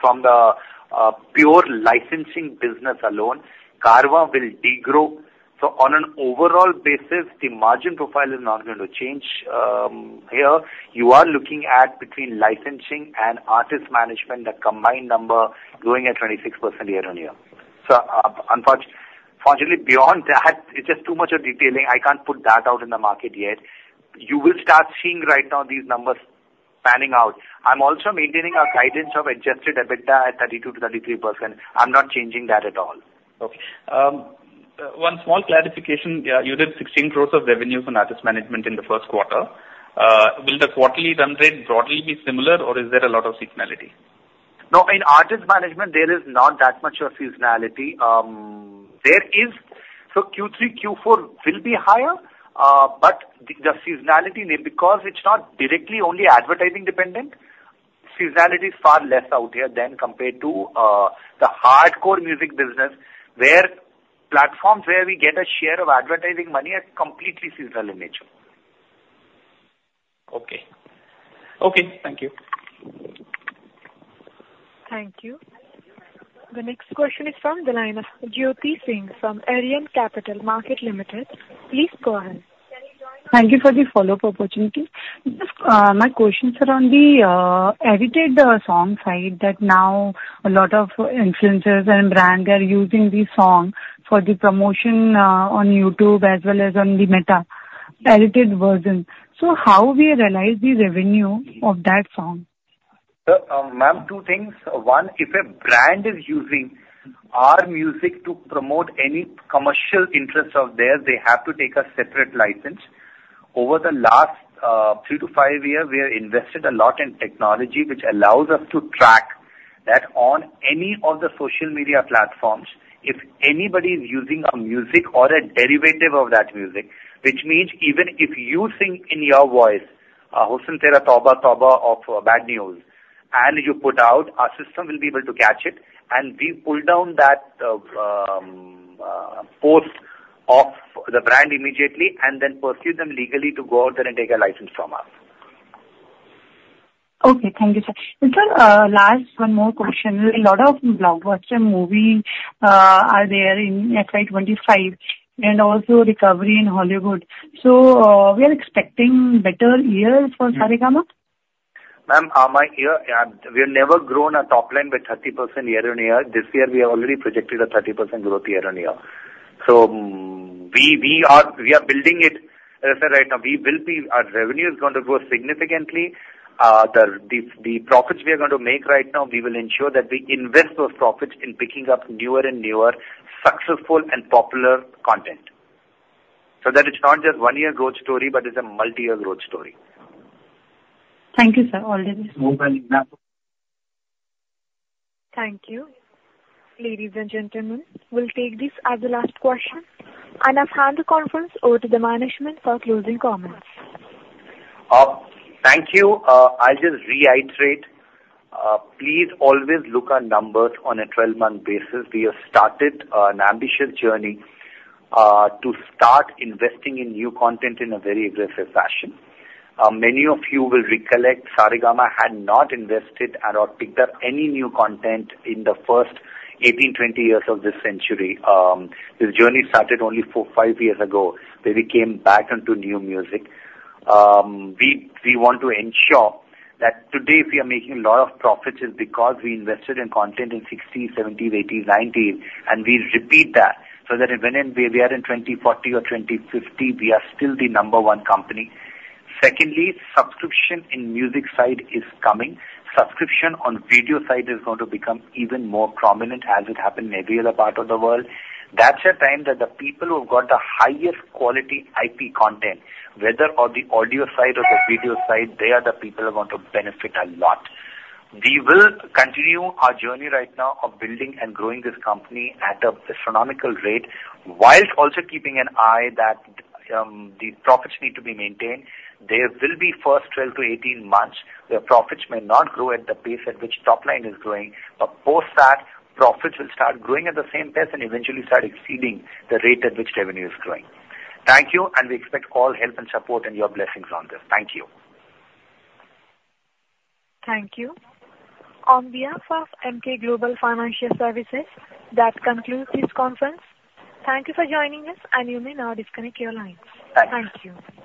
from the, pure licensing business alone. Carvaan will degrow. So on an overall basis, the margin profile is not going to change. Here, you are looking at between licensing and artist management, the combined number growing at 26% year-on-year. Unfortunately, beyond that, it's just too much of detailing. I can't put that out in the market yet. You will start seeing right now these numbers panning out. I'm also maintaining our guidance of adjusted EBITDA at 32%-33%. I'm not changing that at all. Okay. One small clarification. You did 16 crore of revenue from artist management in the first quarter. Will the quarterly run rate broadly be similar, or is there a lot of seasonality? No, in artist management, there is not that much of seasonality. So Q3, Q4 will be higher, but the seasonality, because it's not directly only advertising dependent, is far less out here than compared to the hardcore music business, where platforms we get a share of advertising money are completely seasonal in nature. Okay. Okay, thank you. Thank you. The next question is from the line of Jyoti Singh from Arihant Capital Markets. Please go ahead. Thank you for the follow-up opportunity. My questions are on the edited song side, that now a lot of influencers and brands are using the song for the promotion on YouTube as well as on the Meta, edited version. So how we realize the revenue of that song? So, ma'am, two things. One, if a brand is using our music to promote any commercial interests of theirs, they have to take a separate license. Over the last, three to five years, we have invested a lot in technology, which allows us to track that on any of the social media platforms, if anybody is using our music or a derivative of that music, which means even if you sing in your voice, Husn Tera Tauba Tauba of Bad Newz, and you put out, our system will be able to catch it, and we pull down that, post off the brand immediately and then pursue them legally to go out there and take a license from us. Okay, thank you, sir. Sir, last one more question. A lot of blockbuster movie are there in FY 25 and also recovery in Hollywood. So, we are expecting better year for Saregama? Ma'am, my year, we have never grown our top line by 30% year-over-year. This year, we have already projected a 30% growth year-over-year. So, we are building it as of right now. We will be... Our revenue is going to grow significantly. The profits we are going to make right now, we will ensure that we invest those profits in picking up newer and newer, successful and popular content. So that it's not just one-year growth story, but it's a multi-year growth story. Thank you, sir. All the best. Thank you. Ladies and gentlemen, we'll take this as the last question. I'll hand the conference over to the management for closing comments. Thank you. I'll just reiterate, please always look at numbers on a 12-month basis. We have started an ambitious journey to start investing in new content in a very aggressive fashion. Many of you will recollect, Saregama had not invested or picked up any new content in the first 18, 20 years of this century. This journey started only 4, 5 years ago, where we came back into new music. We, we want to ensure that today we are making a lot of profits is because we invested in content in 2016, 2017, 2018, 2019, and we'll repeat that so that when we are in 2040 or 2050, we are still the number one company. Secondly, subscription in music side is coming. Subscription on video side is going to become even more prominent, as it happened in every other part of the world. That's a time that the people who've got the highest quality IP content, whether on the audio side or the video side, they are the people who are going to benefit a lot. We will continue our journey right now of building and growing this company at a astronomical rate, whilst also keeping an eye that, the profits need to be maintained. There will be first 12 to 18 months, where profits may not grow at the pace at which top line is growing, but post that, profits will start growing at the same pace and eventually start exceeding the rate at which revenue is growing. Thank you, and we expect all help and support and your blessings on this. Thank you. Thank you. On behalf of Emkay Global Financial Services, that concludes this conference. Thank you for joining us, and you may now disconnect your lines. Thank you.